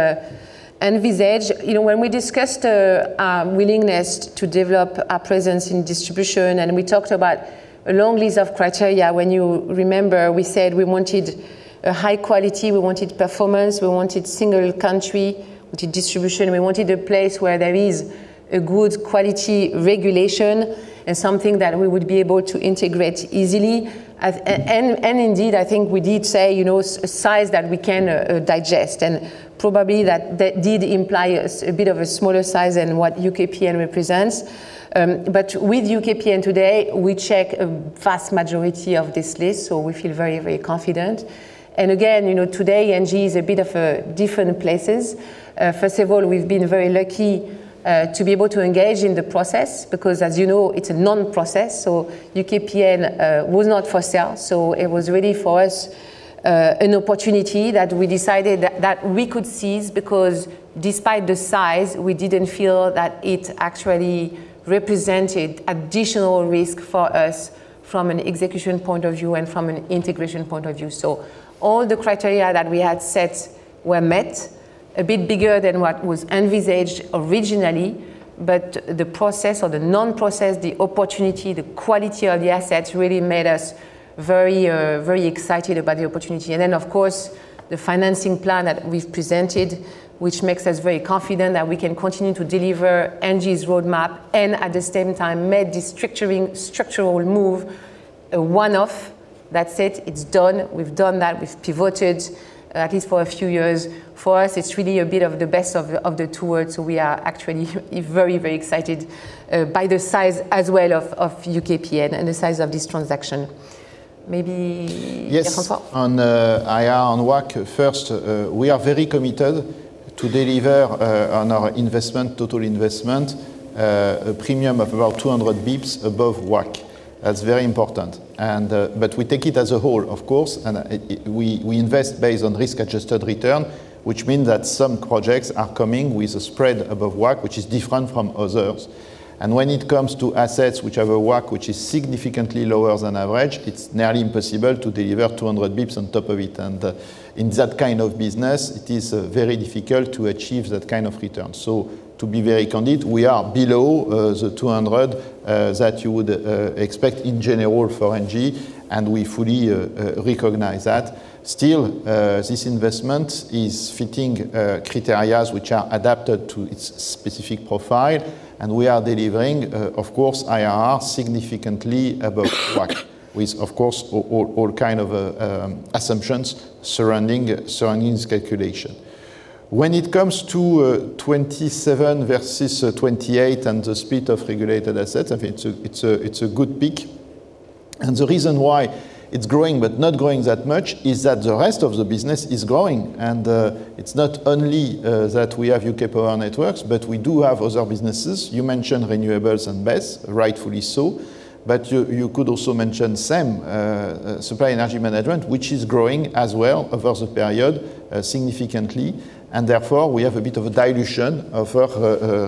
envisaged. You know, when we discussed our willingness to develop our presence in distribution, and we talked about a long list of criteria, when you remember, we said we wanted a high quality, we wanted performance, we wanted single country, we wanted distribution, and we wanted a place where there is a good quality regulation and something that we would be able to integrate easily. And indeed, I think we did say, you know, a size that we can digest, and probably that did imply a bit of a smaller size than what UKPN represents. With UKPN today, we check a vast majority of this list, so we feel very, very confident. Again, you know, today, ENGIE is a bit of different places. First of all, we've been very lucky to be able to engage in the process because, as you know, it's a non-process, UKPN was not for sale. It was really, for us, an opportunity that we decided that we could seize, because despite the size, we didn't feel that it actually represented additional risk for us from an execution point of view and from an integration point of view. All the criteria that we had set were met. A bit bigger than what was envisaged originally, but the process or the non-process, the opportunity, the quality of the assets really made us very excited about the opportunity. Of course, the financing plan that we've presented, which makes us very confident that we can continue to deliver ENGIE's roadmap and, at the same time, made this structuring, structural move a one-off. That's it. It's done. We've done that. We've pivoted, at least for a few years. For us, it's really a bit of the best of the two worlds, so we are actually very, very excited by the size as well of UKPN and the size of this transaction. Maybe Pierre-François? IRR on WACC, first, we are very committed to deliver on our investment, total investment, a premium of about 200 bips above WACC. That's very important. We take it as a whole, of course, we invest based on risk-adjusted return, which mean that some projects are coming with a spread above WACC, which is different from others. When it comes to assets which have a WACC, which is significantly lower than average, it's nearly impossible to deliver 200 bips on top of it. In that kind of business, it is very difficult to achieve that kind of return. To be very candid, we are below the 200 that you would expect in general for ENGIE, we fully recognize that. Still, this investment is fitting criterias which are adapted to its specific profile, and we are delivering, of course, IRR significantly above WACC, with, of course, all kind of assumptions surrounding this calculation. When it comes to 2027 versus 2028 and the speed of regulated assets, I think it's a good pick. The reason why it's growing but not growing that much is that the rest of the business is growing, and it's not only that we have UK Power Networks, but we do have other businesses. Renewables and BESS, rightfully so, but you could also mention SEM, Supply Energy Management, which is growing as well over the period, significantly, and therefore, we have a bit of a dilution of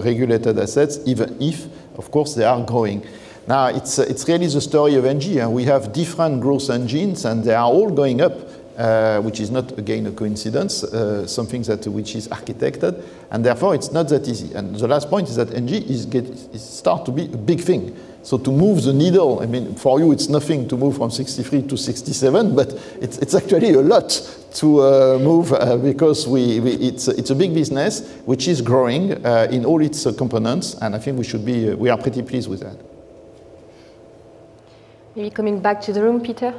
regulated assets, even if, of course, they are growing. It's really the story of ENGIE, and we have different growth engines, and they are all going up, which is not, again, a coincidence, something that which is architected, and therefore, it's not that easy. The last point is that ENGIE is start to be a big thing. To move the needle, I mean, for you, it's nothing to move from 63% to 67%, but it's actually a lot to move because it's a big business, which is growing in all its components, and I think we are pretty pleased with that. Are you coming back to the room, Peter?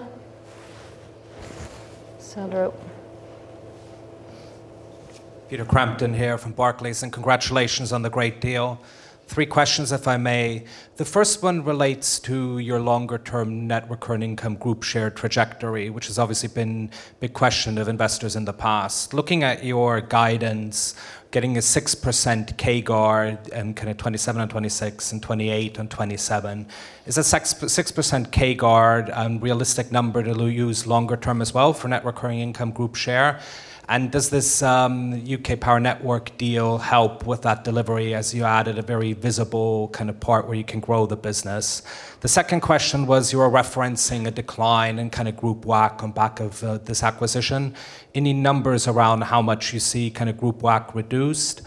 Sandro. Peter Crampton here from Barclays. Congratulations on the great deal. Three questions, if I may. The first one relates to your longer-term Net Recurring Income group share trajectory, which has obviously been a big question of investors in the past. Looking at your guidance, getting a 6% CAGR and kind of 2027 and 2026 and 2028 and 2027, is a 6% CAGR a realistic number that you'll use longer term as well for Net Recurring Income group share? Does this UK Power Networks deal help with that delivery, as you added a very visible kind of part where you can grow the business? The second question was, you were referencing a decline in kind of group WACC on back of this acquisition. Any numbers around how much you see kind of group WACC reduced?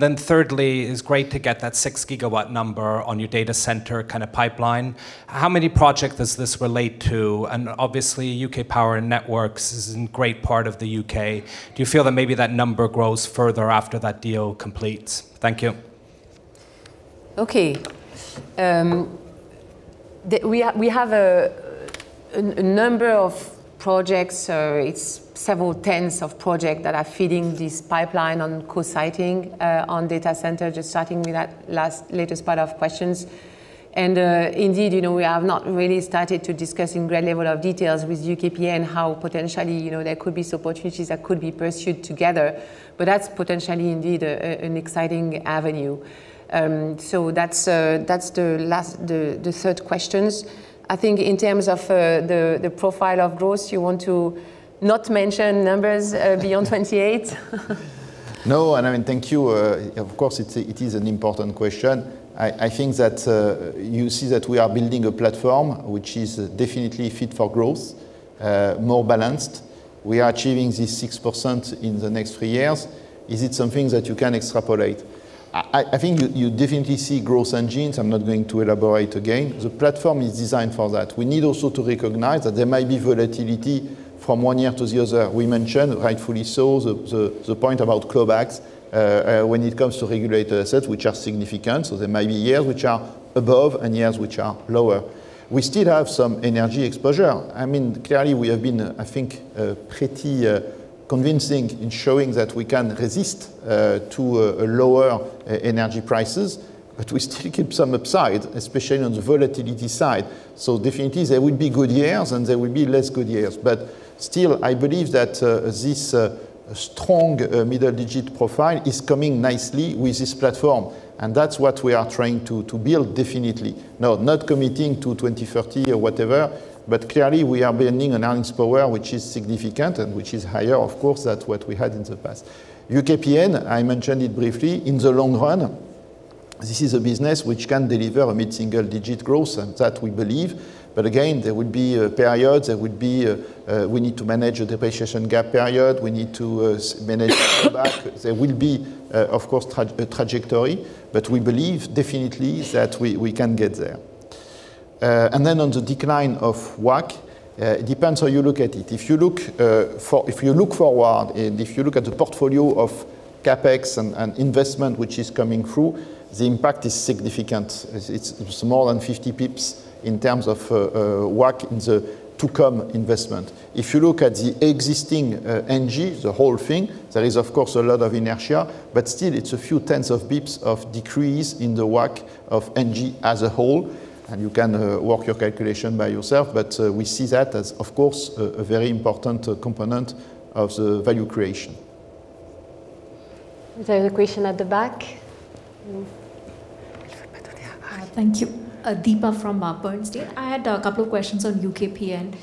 Thirdly, it's great to get that 6 GW number on your data center kind of pipeline. How many project does this relate to? Obviously, UK Power Networks is in great part of the UK. Do you feel that maybe that number grows further after that deal completes? Thank you. Okay. We have a number of projects, so it's several tens of project that are feeding this pipeline on co-siting on data center, just starting with that last latest part of questions. Indeed, you know, we have not really started to discuss in great level of details with UKPN how potentially, you know, there could be some opportunities that could be pursued together, but that's potentially indeed an exciting avenue. That's the last, the third questions. I think in terms of the profile of growth, you want to not mention numbers beyond 2028? I mean, thank you, of course, it's a, it is an important question. I think that you see that we are building a platform which is definitely fit for growth, more balanced. We are achieving this 6% in the next 3 years. Is it something that you can extrapolate? I think you definitely see growth engines. I'm not going to elaborate again. The platform is designed for that. We need also to recognize that there might be volatility from one year to the other. We mentioned, rightfully so, the point about callbacks when it comes to regulated assets, which are significant. There might be years which are above and years which are lower. We still have some energy exposure. I mean, clearly, we have been, I think, pretty convincing in showing that we can resist to lower energy prices, but we still keep some upside, especially on the volatility side. Definitely, there will be good years, and there will be less good years. Still, I believe that this strong middle-digit profile is coming nicely with this platform, and that's what we are trying to build, definitely. Now, not committing to 2030 or whatever, but clearly, we are building an earnings power, which is significant and which is higher, of course, than what we had in the past. UKPN, I mentioned it briefly, in the long run, this is a business which can deliver a mid-single-digit growth, and that we believe. Again, there would be periods, there would be... We need to manage a depreciation gap period. We need to manage back. There will be, of course, a trajectory, but we believe definitely that we can get there. On the decline of WACC, it depends how you look at it. If you look forward, if you look at the portfolio of CapEx and investment, which is coming through, the impact is significant. It's more than 50 bips in terms of WACC in the to-come investment. If you look at the existing ENGIE, the whole thing, there is, of course, a lot of inertia, but still, it's a few tenths of bips of decrease in the WACC of ENGIE as a whole, and you can work your calculation by yourself. We see that as, of course, a very important component of the value creation. There's a question at the back. Thank you. Deepa from Bernstein. I had a couple of questions on UKPN.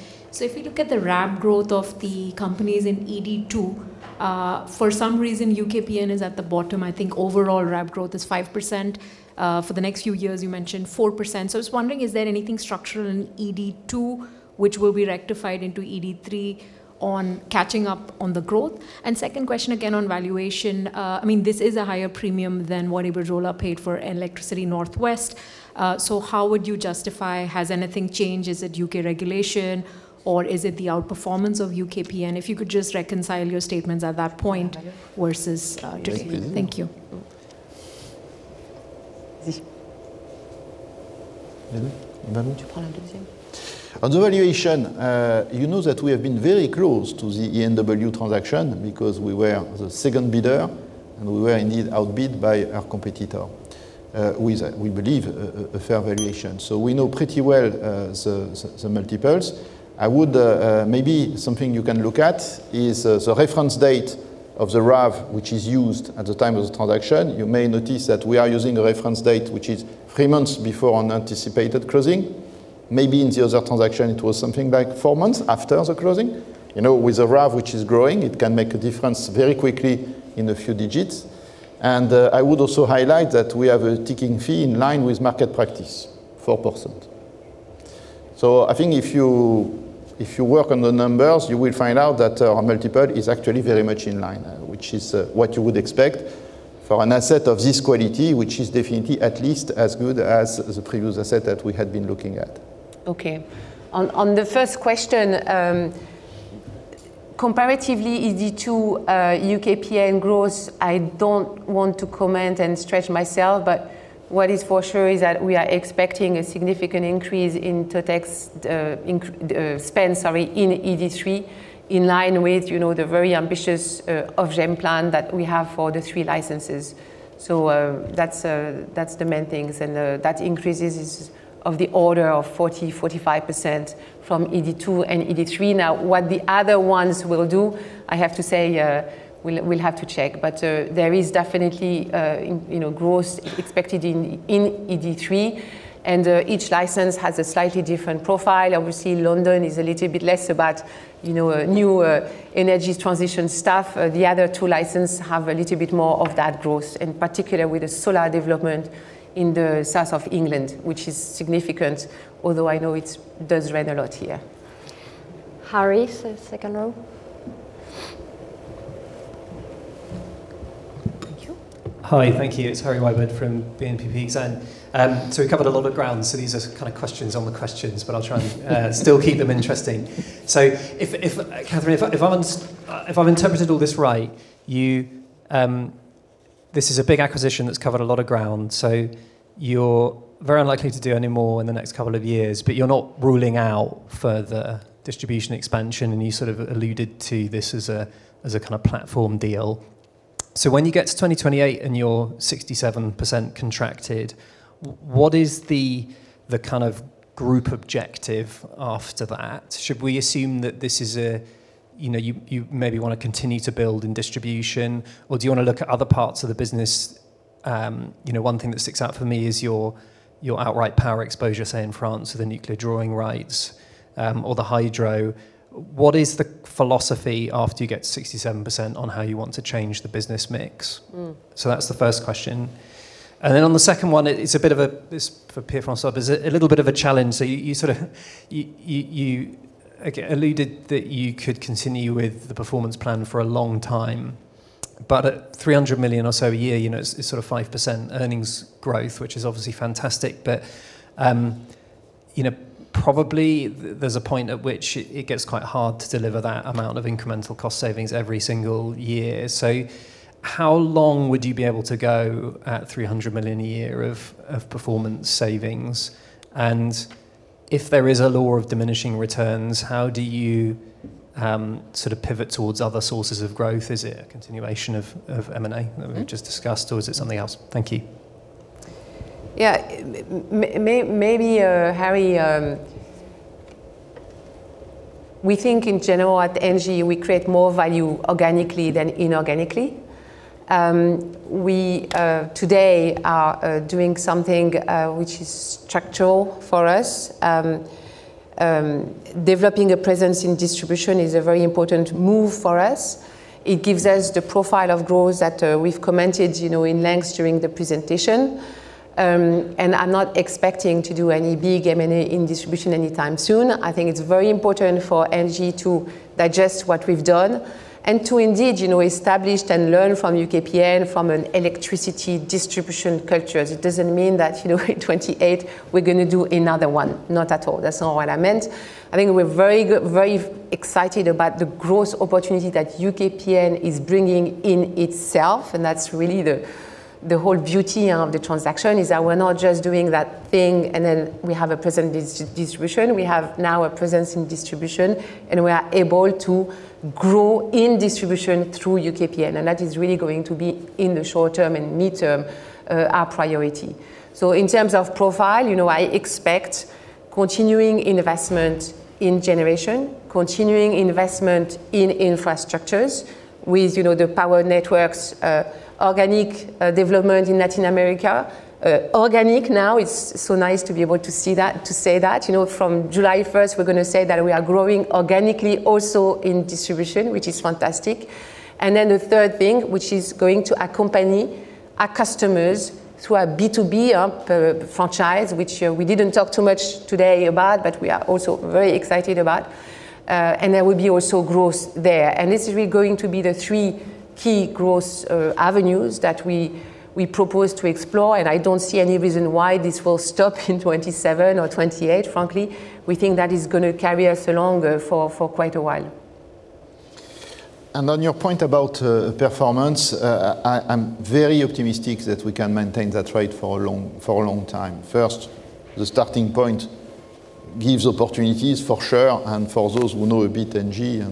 If you look at the RAB growth of the companies in ED2, for some reason, UKPN is at the bottom. I think overall RAB growth is 5%. For the next few years, you mentioned 4%. I was wondering, is there anything structural in ED2 which will be rectified into ED3 on catching up on the growth? Second question, again, on valuation. I mean, this is a higher premium than what Iberdrola paid for Electricity North West. How would you justify, has anything changed? Is it U.K. regulation, or is it the outperformance of UKPN? If you could just reconcile your statements at that point versus today. Thank you. Do you want to take this one? On the valuation, you know that we have been very close to the ENW collection because we were the second bidder, and we were indeed outbid by our competitor, with, we believe, a fair valuation. We know pretty well the multiples. Something you can look at is the reference date of the RAV, which is used at the time of the collection. You may notice that we are using a reference date, which is three months before an anticipated closing. In the other transaction, it was something like four months after the closing. You know, with the RAV, which is growing, it can make a difference very quickly in a few digits. I would also highlight that we have a ticking fee in line with market practice, 4%. I think if you, if you work on the numbers, you will find out that our multiple is actually very much in line, which is what you would expect for an asset of this quality, which is definitely at least as good as the previous asset that we had been looking at. Okay. On the first question, comparatively, ED2, UKPN growth, I don't want to comment and stretch myself, but what is for sure is that we are expecting a significant increase in TOTEX spend, sorry, in ED3, in line with, you know, the very ambitious Ofgem plan that we have for the three licenses. That's the main things, and that increase is of the order of 40%-45% from ED2 and ED3. Now, what the other ones will do, I have to say, we'll have to check. There is definitely, you know, growth expected in ED3, and each license has a slightly different profile. Obviously, London is a little bit less about, you know, new energy transition stuff. The other two license have a little bit more of that growth, in particular with the solar development in the south of England, which is significant, although I know it does rain a lot here. Harry, second row. Thank you. Hi, thank you. It's Harry Wyburd from BNP Paribas. We covered a lot of ground, so these are kind of questions on the questions, but I'll try and still keep them interesting. If Catherine, if I've interpreted all this right, you, this is a big acquisition that's covered a lot of ground, so you're very unlikely to do any more in the next couple of years, but you're not ruling out further distribution expansion, and you sort of alluded to this as a, as a kind of platform deal. When you get to 2028 and you're 67% contracted, what is the kind of group objective after that? Should we assume that this is a, you know, you maybe wanna continue to build in distribution, or do you wanna look at other parts of the business? You know, one thing that sticks out for me is your outright power exposure, say, in France, so the nuclear drawing rights, or the hydro. What is the philosophy after you get 67% on how you want to change the business mix? That's the first question. Then on the second one, it's a bit of a, this for Pierre-François, is a little bit of a challenge. You sort of, you, again, alluded that you could continue with the performance plan for a long time, but at 300 million or so a year, you know, it's sort of 5% earnings growth, which is obviously fantastic. You know, probably there's a point at which it gets quite hard to deliver that amount of incremental cost savings every single year. How long would you be able to go at 300 million a year of performance savings? If there is a law of diminishing returns, how do you sort of pivot towards other sources of growth? Is it a continuation of M&A- that we've just discussed, or is it something else? Thank you. Yeah. Maybe, Harry, we think in general at ENGIE, we create more value organically than inorganically. We today are doing something which is structural for us. Developing a presence in distribution is a very important move for us. It gives us the profile of growth that we've commented, you know, in lengths during the presentation. I'm not expecting to do any big M&A in distribution anytime soon. I think it's very important for ENGIE to digest what we've done and to indeed, you know, establish and learn from UKPN from an electricity distribution culture. It doesn't mean that, you know, in 2028, we're gonna do another one. Not at all. That's not what I meant. I think we're very excited about the growth opportunity that UKPN is bringing in itself. That's really the whole beauty of the transaction, is that we're not just doing that thing. Then we have a presence in distribution. We have now a presence in distribution, and we are able to grow in distribution through UKPN. That is really going to be, in the short term and midterm, our priority. In terms of profile, you know, I expect continuing investment in generation, continuing investment in infrastructures with, you know, the power networks, organic development in Latin America. Organic now, it's so nice to be able to see that, to say that. You know, from July 1st, we're gonna say that we are growing organically also in distribution, which is fantastic. The third thing, which is going to accompany our customers through our B2B franchise, which we didn't talk too much today about, but we are also very excited about. There will be also growth there. This is really going to be the three key growth avenues that we propose to explore, and I don't see any reason why this will stop in 27 or 28, frankly. We think that is gonna carry us along for quite a while. On your point about performance, I'm very optimistic that we can maintain that rate for a long time. First, the starting point gives opportunities, for sure. For those who know a bit ENGIE,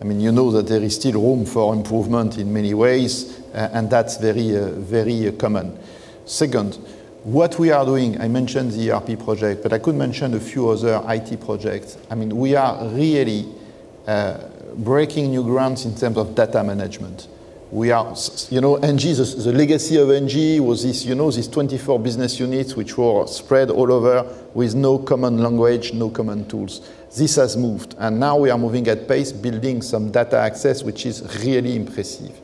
I mean, you know that there is still room for improvement in many ways, and that's very, very common. Second, what we are doing, I mentioned the ERP project. I could mention a few other IT projects. I mean, we are really breaking new grounds in terms of data management. We are, you know, ENGIE, the legacy of ENGIE was this, you know, these 24 business units, which were spread all over with no common language, no common tools. This has moved. Now we are moving at pace, building some data access, which is really impressive.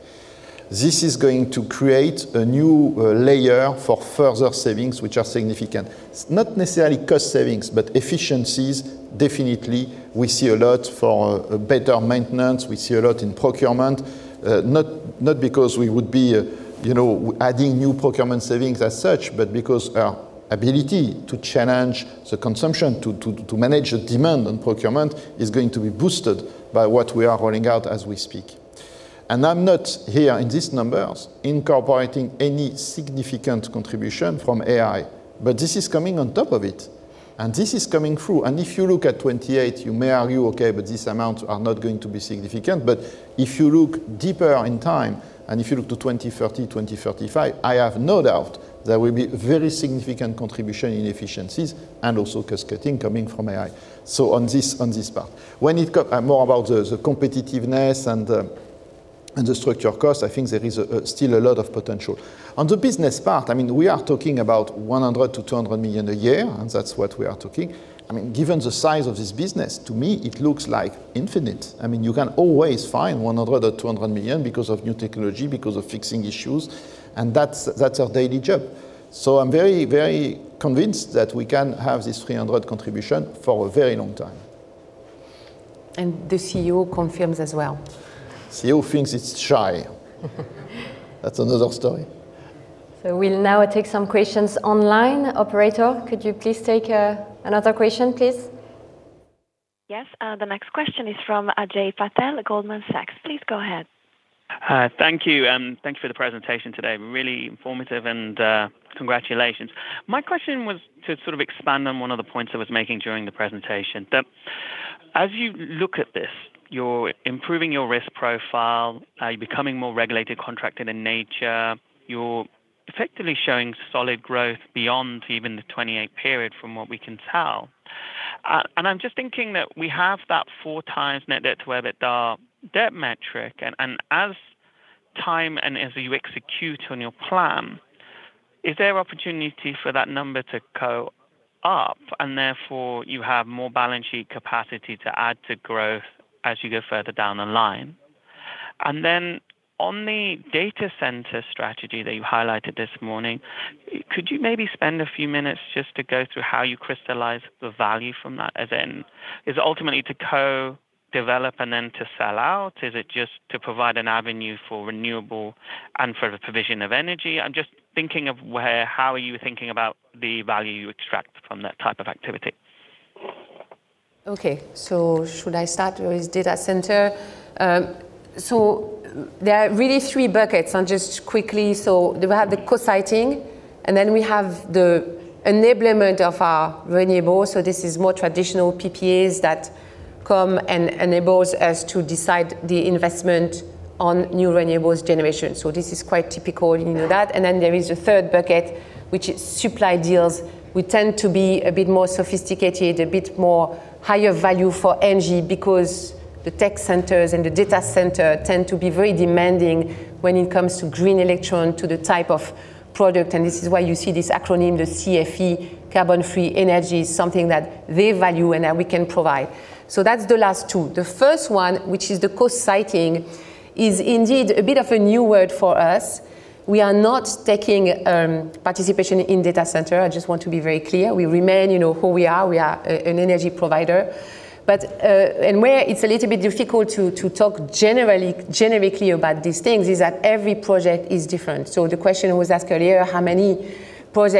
This is going to create a new layer for further savings, which are significant. It's not necessarily cost savings, but efficiencies, definitely, we see a lot for better maintenance. We see a lot in procurement, not because we would be, you know, adding new procurement savings as such, but because our ability to challenge the consumption, to manage the demand on procurement is going to be boosted by what we are rolling out as we speak. I'm not here in these numbers incorporating any significant contribution from AI, but this is coming on top of it, and this is coming through. If you look at 2028, you may argue, "Okay, but these amounts are not going to be significant." If you look deeper in time, and if you look to 2030, 2035, I have no doubt there will be very significant contribution in efficiencies and also cost-cutting coming from AI on this part. When it comes more about the competitiveness and the structure of cost, I think there is still a lot of potential. On the business part, I mean, we are talking about 100 million-200 million a year, and that's what we are talking. I mean, given the size of this business, to me, it looks like infinite. I mean, you can always find 100 million or 200 million because of new technology, because of fixing issues, and that's our daily job. I'm very, very convinced that we can have this 300 contribution for a very long time. The CEO confirms as well. CEO thinks it's shy. That's another story. We'll now take some questions online. Operator, could you please take another question, please? The next question is from Ajay Patel, Goldman Sachs. Please go ahead. Hi. Thank you, thank you for the presentation today. Really informative and congratulations. My question was to sort of expand on one of the points I was making during the presentation, that as you look at this, you're improving your risk profile, you're becoming more regulated, contracted in nature. You're effectively showing solid growth beyond even the 2028 period, from what we can tell. I'm just thinking that we have that 4x Net Debt to EBITDA debt metric, and as time and as you execute on your plan, is there opportunity for that number to go up, and therefore you have more balance sheet capacity to add to growth as you go further down the line? On the data center strategy that you highlighted this morning, could you maybe spend a few minutes just to go through how you crystallize the value from that, as in, is it ultimately to co-develop and then to sell out? Is it just to provide an avenue for renewable and for the provision of energy? I'm just thinking of how are you thinking about the value you extract from that type of activity? Should I start with data center? There are really three buckets, and just quickly, we have the co-siting, and then we have the enablement of our renewables. This is more traditional PPAs that come and enables us to decide the investment on New Renewables generation. This is quite typical, you know that. Then there is a third bucket, which is supply deals, which tend to be a bit more sophisticated, a bit more higher value for ENGIE, because the tech centers and the data center tend to be very demanding when it comes to green electron, to the type of product. This is why you see this acronym, the CFE, carbon free energy, something that they value and that we can provide. That's the last two. The first one, which is the co-siting, is indeed a bit of a new word for us. We are not taking participation in data center. I just want to be very clear. We remain, you know who we are. We are an energy provider. And where it's a little bit difficult to talk generically about these things, is that every project is different. The question was asked earlier, how many projects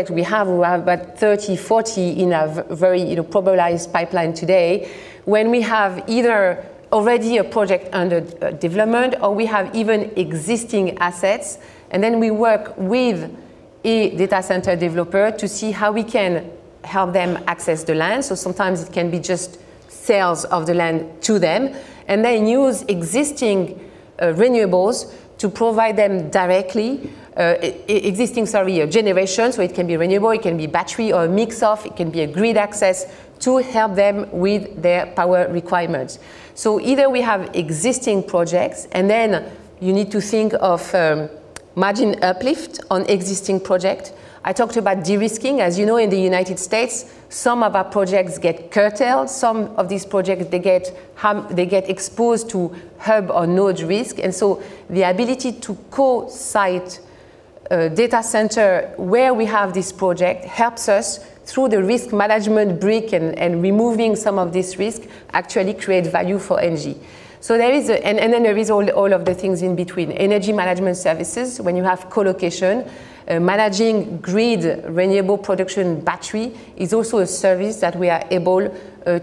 we have? We have about 30, 40 in a very, you know, popularized pipeline today. When we have either already a project under development or we have even existing assets, and then we work with a data center developer to see how we can help them access the land. Sometimes it can be just sales of the land to them, and then use existing renewables to provide them directly, existing, sorry, generations, where it can be renewable, it can be battery or a mix of, it can be a grid access to help them with their power requirements. Either we have existing projects, and then you need to think of margin uplift on existing project. I talked about de-risking. As you know, in the United States, some of our projects get curtailed. Some of these projects, they get exposed to hub or node risk. The ability to co-site a data center where we have this project, helps us through the risk management brick, and removing some of this risk actually create value for ENGIE. There is a... There is all of the things in between. Energy management services, when you have co-location, managing grid, renewable production, battery, is also a service that we are able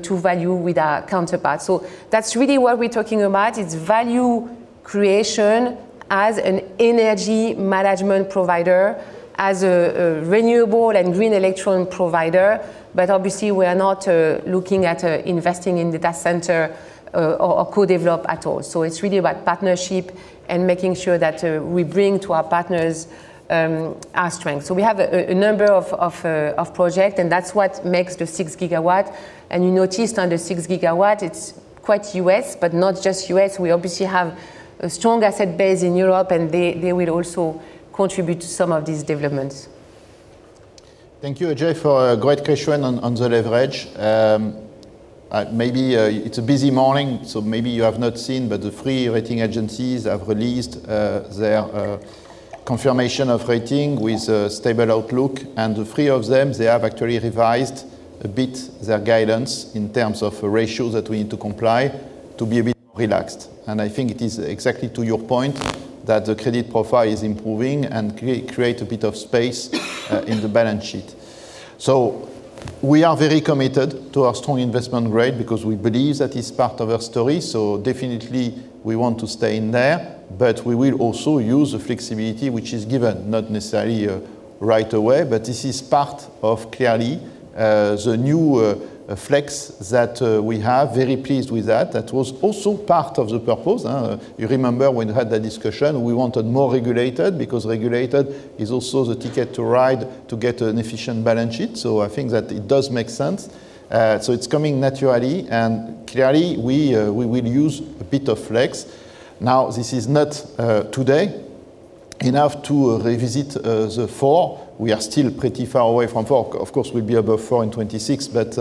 to value with our counterparts. That's really what we're talking about, is value creation as an energy management provider, as a renewable and green electron provider. Obviously, we are not looking at investing in data center or co-develop at all. It's really about partnership and making sure that we bring to our partners our strength. We have a number of project, and that's what makes the 6 GW. You noticed under 6 GW, it's quite U.S., but not just U.S. We obviously have a strong asset base in Europe, and they will also contribute to some of these developments. Thank you, Ajay, for a great question on the leverage. Maybe, it's a busy morning, so maybe you have not seen, but the three rating agencies have released, their, confirmation of rating with a stable outlook. The three of them, they have actually revised a bit their guidance in terms of the ratios that we need to comply to be a bit relaxed. I think it is exactly to your point, that the credit profile is improving and create a bit of space, in the balance sheet. We are very committed to our strong investment grade because we believe that is part of our story, so definitely we want to stay in there, but we will also use the flexibility which is given, not necessarily right away, but this is part of, clearly, the new flex that we have. Very pleased with that. That was also part of the purpose, huh? You remember when we had that discussion, we wanted more regulated, because regulated is also the ticket to ride, to get an efficient balance sheet, so I think that it does make sense. It's coming naturally, and clearly, we will use a bit of flex. This is not today enough to revisit the 4. We are still pretty far away from 4. Of course, we'll be above 4 in 2026, but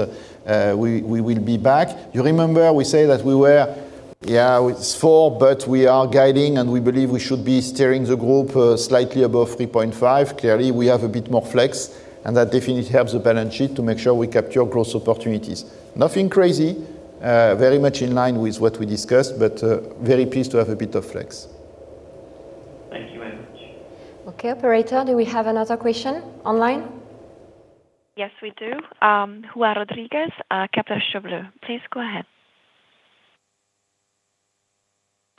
we will be back. You remember we say that we were. Yeah, it's 4, but we are guiding, and we believe we should be steering the group slightly above 3.5. Clearly, we have a bit more flex, and that definitely helps the balance sheet to make sure we capture growth opportunities. Nothing crazy, very much in line with what we discussed, but very pleased to have a bit of flex. Thank you very much. Operator, do we have another question online? Yes, we do. Juan Rodriguez, Kepler Cheuvreux. Please go ahead.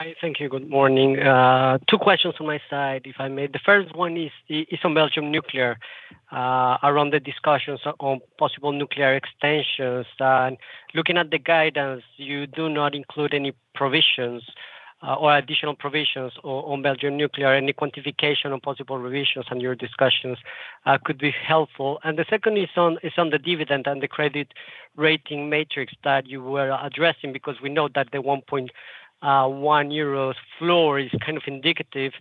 Hi. Thank you. Good morning. Two questions on my side, if I may. The first one is on Belgium nuclear, around the discussions on possible nuclear extensions. Looking at the guidance, you do not include any provisions. ... or additional provisions on Belgian nuclear, any quantification on possible revisions on your discussions, could be helpful. The second is on the dividend and the credit rating matrix that you were addressing, because we know that the 1.1 euro floor is kind of indicative.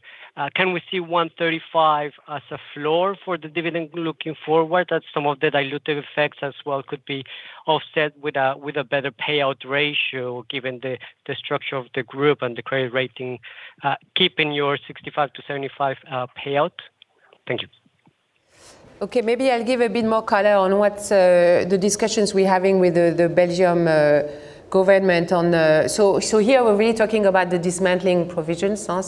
Can we see 1.35 as a floor for the dividend looking forward, that some of the dilutive effects as well could be offset with a better payout ratio, given the structure of the group and the credit rating, keeping your 65%-75% payout? Thank you. Maybe I'll give a bit more color on what's the discussions we're having with the Belgium government. Here we're really talking about the dismantling provisions, huh?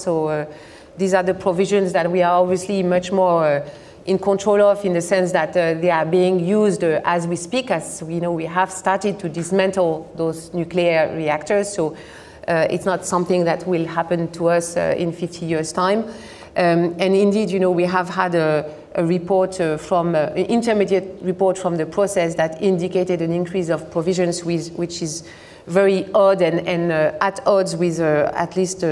These are the provisions that we are obviously much more in control of, in the sense that they are being used as we speak, as we know, we have started to dismantle those nuclear reactors. It's not something that will happen to us in 50 years' time. Indeed, you know, we have had a report from intermediate report from the process that indicated an increase of provisions, which is very odd and at odds with at least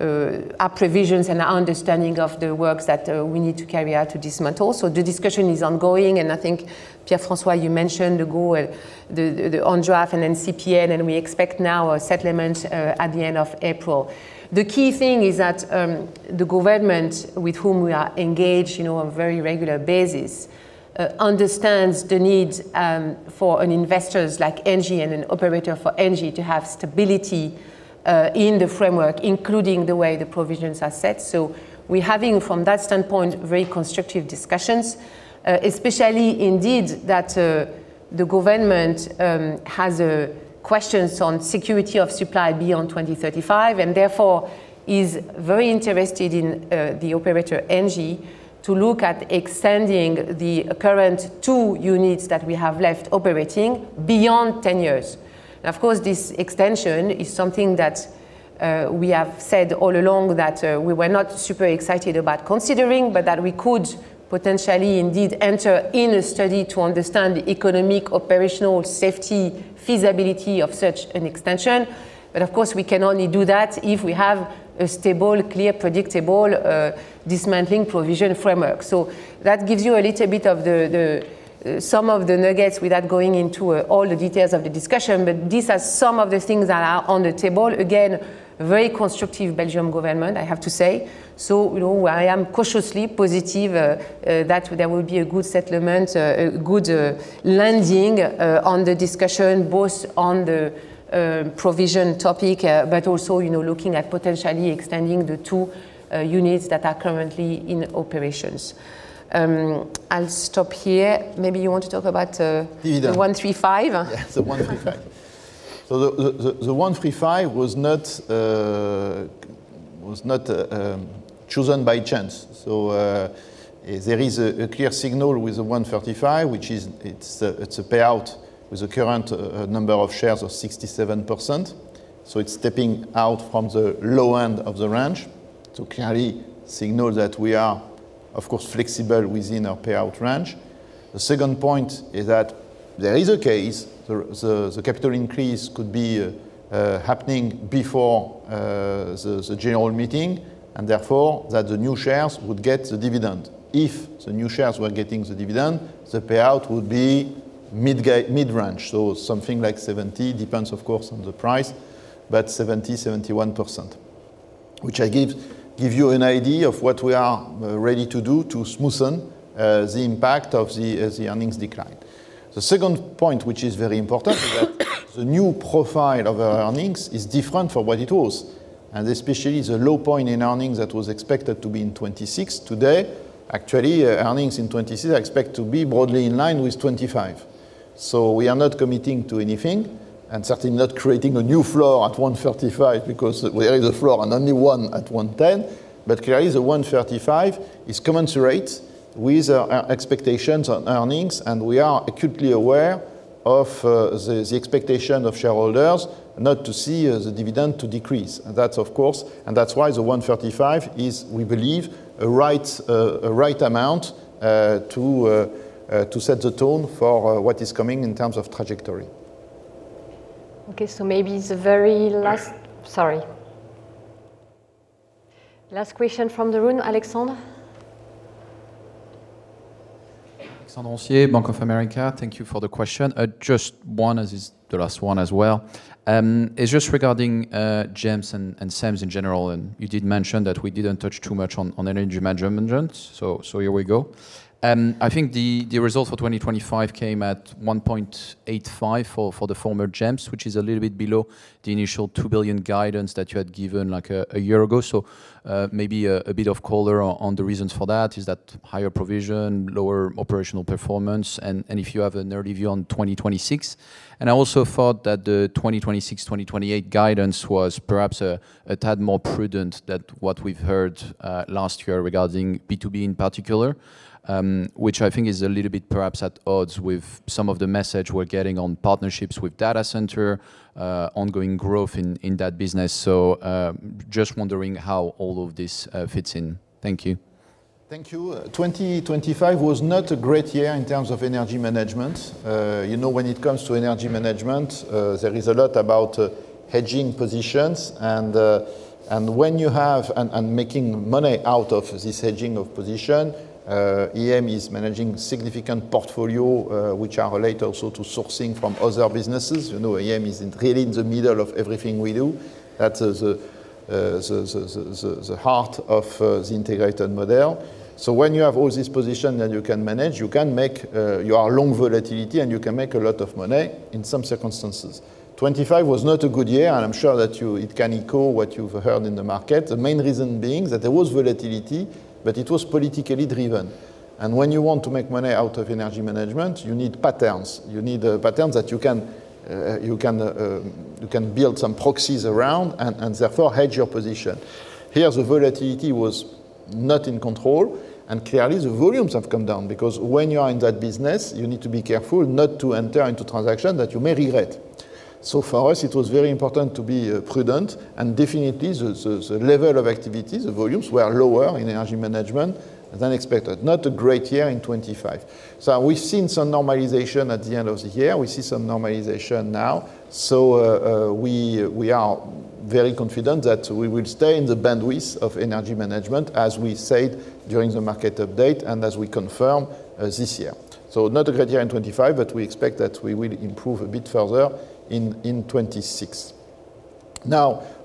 our provisions and our understanding of the works that we need to carry out to dismantle. The discussion is ongoing, and I think, Pierre-François, you mentioned the goal, the ONDRAF and then CPN, and we expect now a settlement at the end of April. The key thing is that the government with whom we are engaged, you know, on a very regular basis, understands the need for an investors like ENGIE and an operator for ENGIE to have stability in the framework, including the way the provisions are set. We're having, from that standpoint, very constructive discussions, especially indeed, that the government has questions on security of supply beyond 2035, and therefore is very interested in the operator, ENGIE, to look at extending the current 2 units that we have left operating beyond 10 years. Of course, this extension is something that we have said all along that we were not super excited about considering, but that we could potentially indeed enter in a study to understand the economic, operational, safety, feasibility of such an extension. Of course, we can only do that if we have a stable, clear, predictable dismantling provision framework. That gives you a little bit of some of the nuggets without going into all the details of the discussion, but these are some of the things that are on the table. Very constructive Belgium government, I have to say. You know, I am cautiously positive that there will be a good settlement, a good landing on the discussion, both on the provision topic, but also, you know, looking at potentially extending the two units that are currently in operations. I'll stop here. Maybe you want to talk about- Indeed. The 1.35? Yeah, the 1.35. The 1.35 was not chosen by chance. There is a clear signal with the 1.35, which is, it's a payout with the current number of shares of 67%, so it's stepping out from the low end of the range to clearly signal that we are, of course, flexible within our payout range. The second point is that there is a case, the capital increase could be happening before the general meeting, and therefore, that the new shares would get the dividend. If the new shares were getting the dividend, the payout would be mid-range, something like 70, depends, of course, on the price, but 70%-71%, which I give you an idea of what we are ready to do to smoothen the impact of the earnings decline. The second point, which is very important, is that the new profile of our earnings is different from what it was, and especially the low point in earnings that was expected to be in 2026. Today, actually, earnings in 2026 are expect to be broadly in line with 2025. We are not committing to anything, and certainly not creating a new floor at 1.35, because there is a floor and only one at 1.10. There is a 1.35, is commensurate with our expectations on earnings, and we are acutely aware of the expectation of shareholders not to see the dividend to decrease. That's of course, that's why the 1.35 is, we believe, a right amount to set the tone for what is coming in terms of trajectory. Okay, maybe the very last. Sorry. Last question from the room, Alexandre? Alexandre Roncier, Bank of America. Thank you for the question. Just one, as is the last one as well. It's just regarding GEMS and CEMS in general, and you did mention that we didn't touch too much on energy management, so here we go. I think the results for 2025 came at 1.85 billion for the former GEMS, which is a little bit below the initial 2 billion guidance that you had given, like, a year ago. Maybe a bit of color on the reasons for that. Is that higher provision, lower operational performance? If you have an early view on 2026. I also thought that the 2026, 2028 guidance was perhaps a tad more prudent than what we've heard last year regarding B2B in particular, which I think is a little bit perhaps at odds with some of the message we're getting on partnerships with data center, ongoing growth in that business. Just wondering how all of this fits in. Thank you.... Thank you. 2025 was not a great year in terms of energy management. You know, when it comes to energy management, there is a lot about hedging positions, and when you have and making money out of this hedging of position, EM is managing significant portfolio, which are related also to sourcing from other businesses. You know, EM is really in the middle of everything we do. That is the heart of the integrated model. When you have all this position that you can manage, you can make your long volatility, and you can make a lot of money in some circumstances. 25 was not a good year, and I'm sure that it can echo what you've heard in the market. The main reason being that there was volatility, but it was politically driven. When you want to make money out of energy management, you need patterns. You need patterns that you can build some proxies around and therefore, hedge your position. Here, the volatility was not in control, and clearly, the volumes have come down, because when you are in that business, you need to be careful not to enter into transaction that you may regret. For us, it was very important to be prudent, and definitely, the level of activities, the volumes, were lower in energy management than expected. Not a great year in 2025. We've seen some normalization at the end of the year. We see some normalization now. We are very confident that we will stay in the bandwidth of energy management, as we said during the market update and as we confirm this year. Not a great year in 2025, we expect that we will improve a bit further in 2026.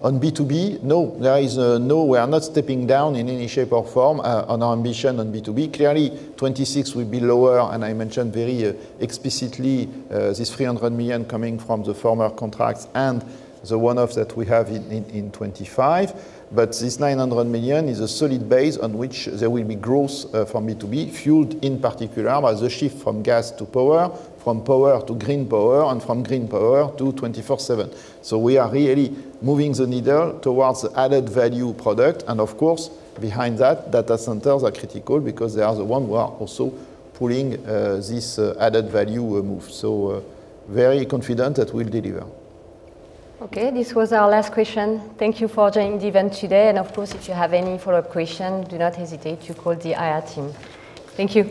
On B2B, no, there is no, we are not stepping down in any shape or form on our ambition on B2B. Clearly, 2026 will be lower, and I mentioned very explicitly this 300 million coming from the former contracts and the one-off that we have in 2025. This 900 million is a solid base on which there will be growth for B2B, fueled in particular by the shift from gas to power, from power to green power, and from green power to 24/7. We are really moving the needle towards added value product, and of course, behind that, data centers are critical because they are the ones who are also pulling this added value move. Very confident that we'll deliver. Okay, this was our last question. Thank you for joining the event today. Of course, if you have any follow-up question, do not hesitate to call the IR team. Thank you!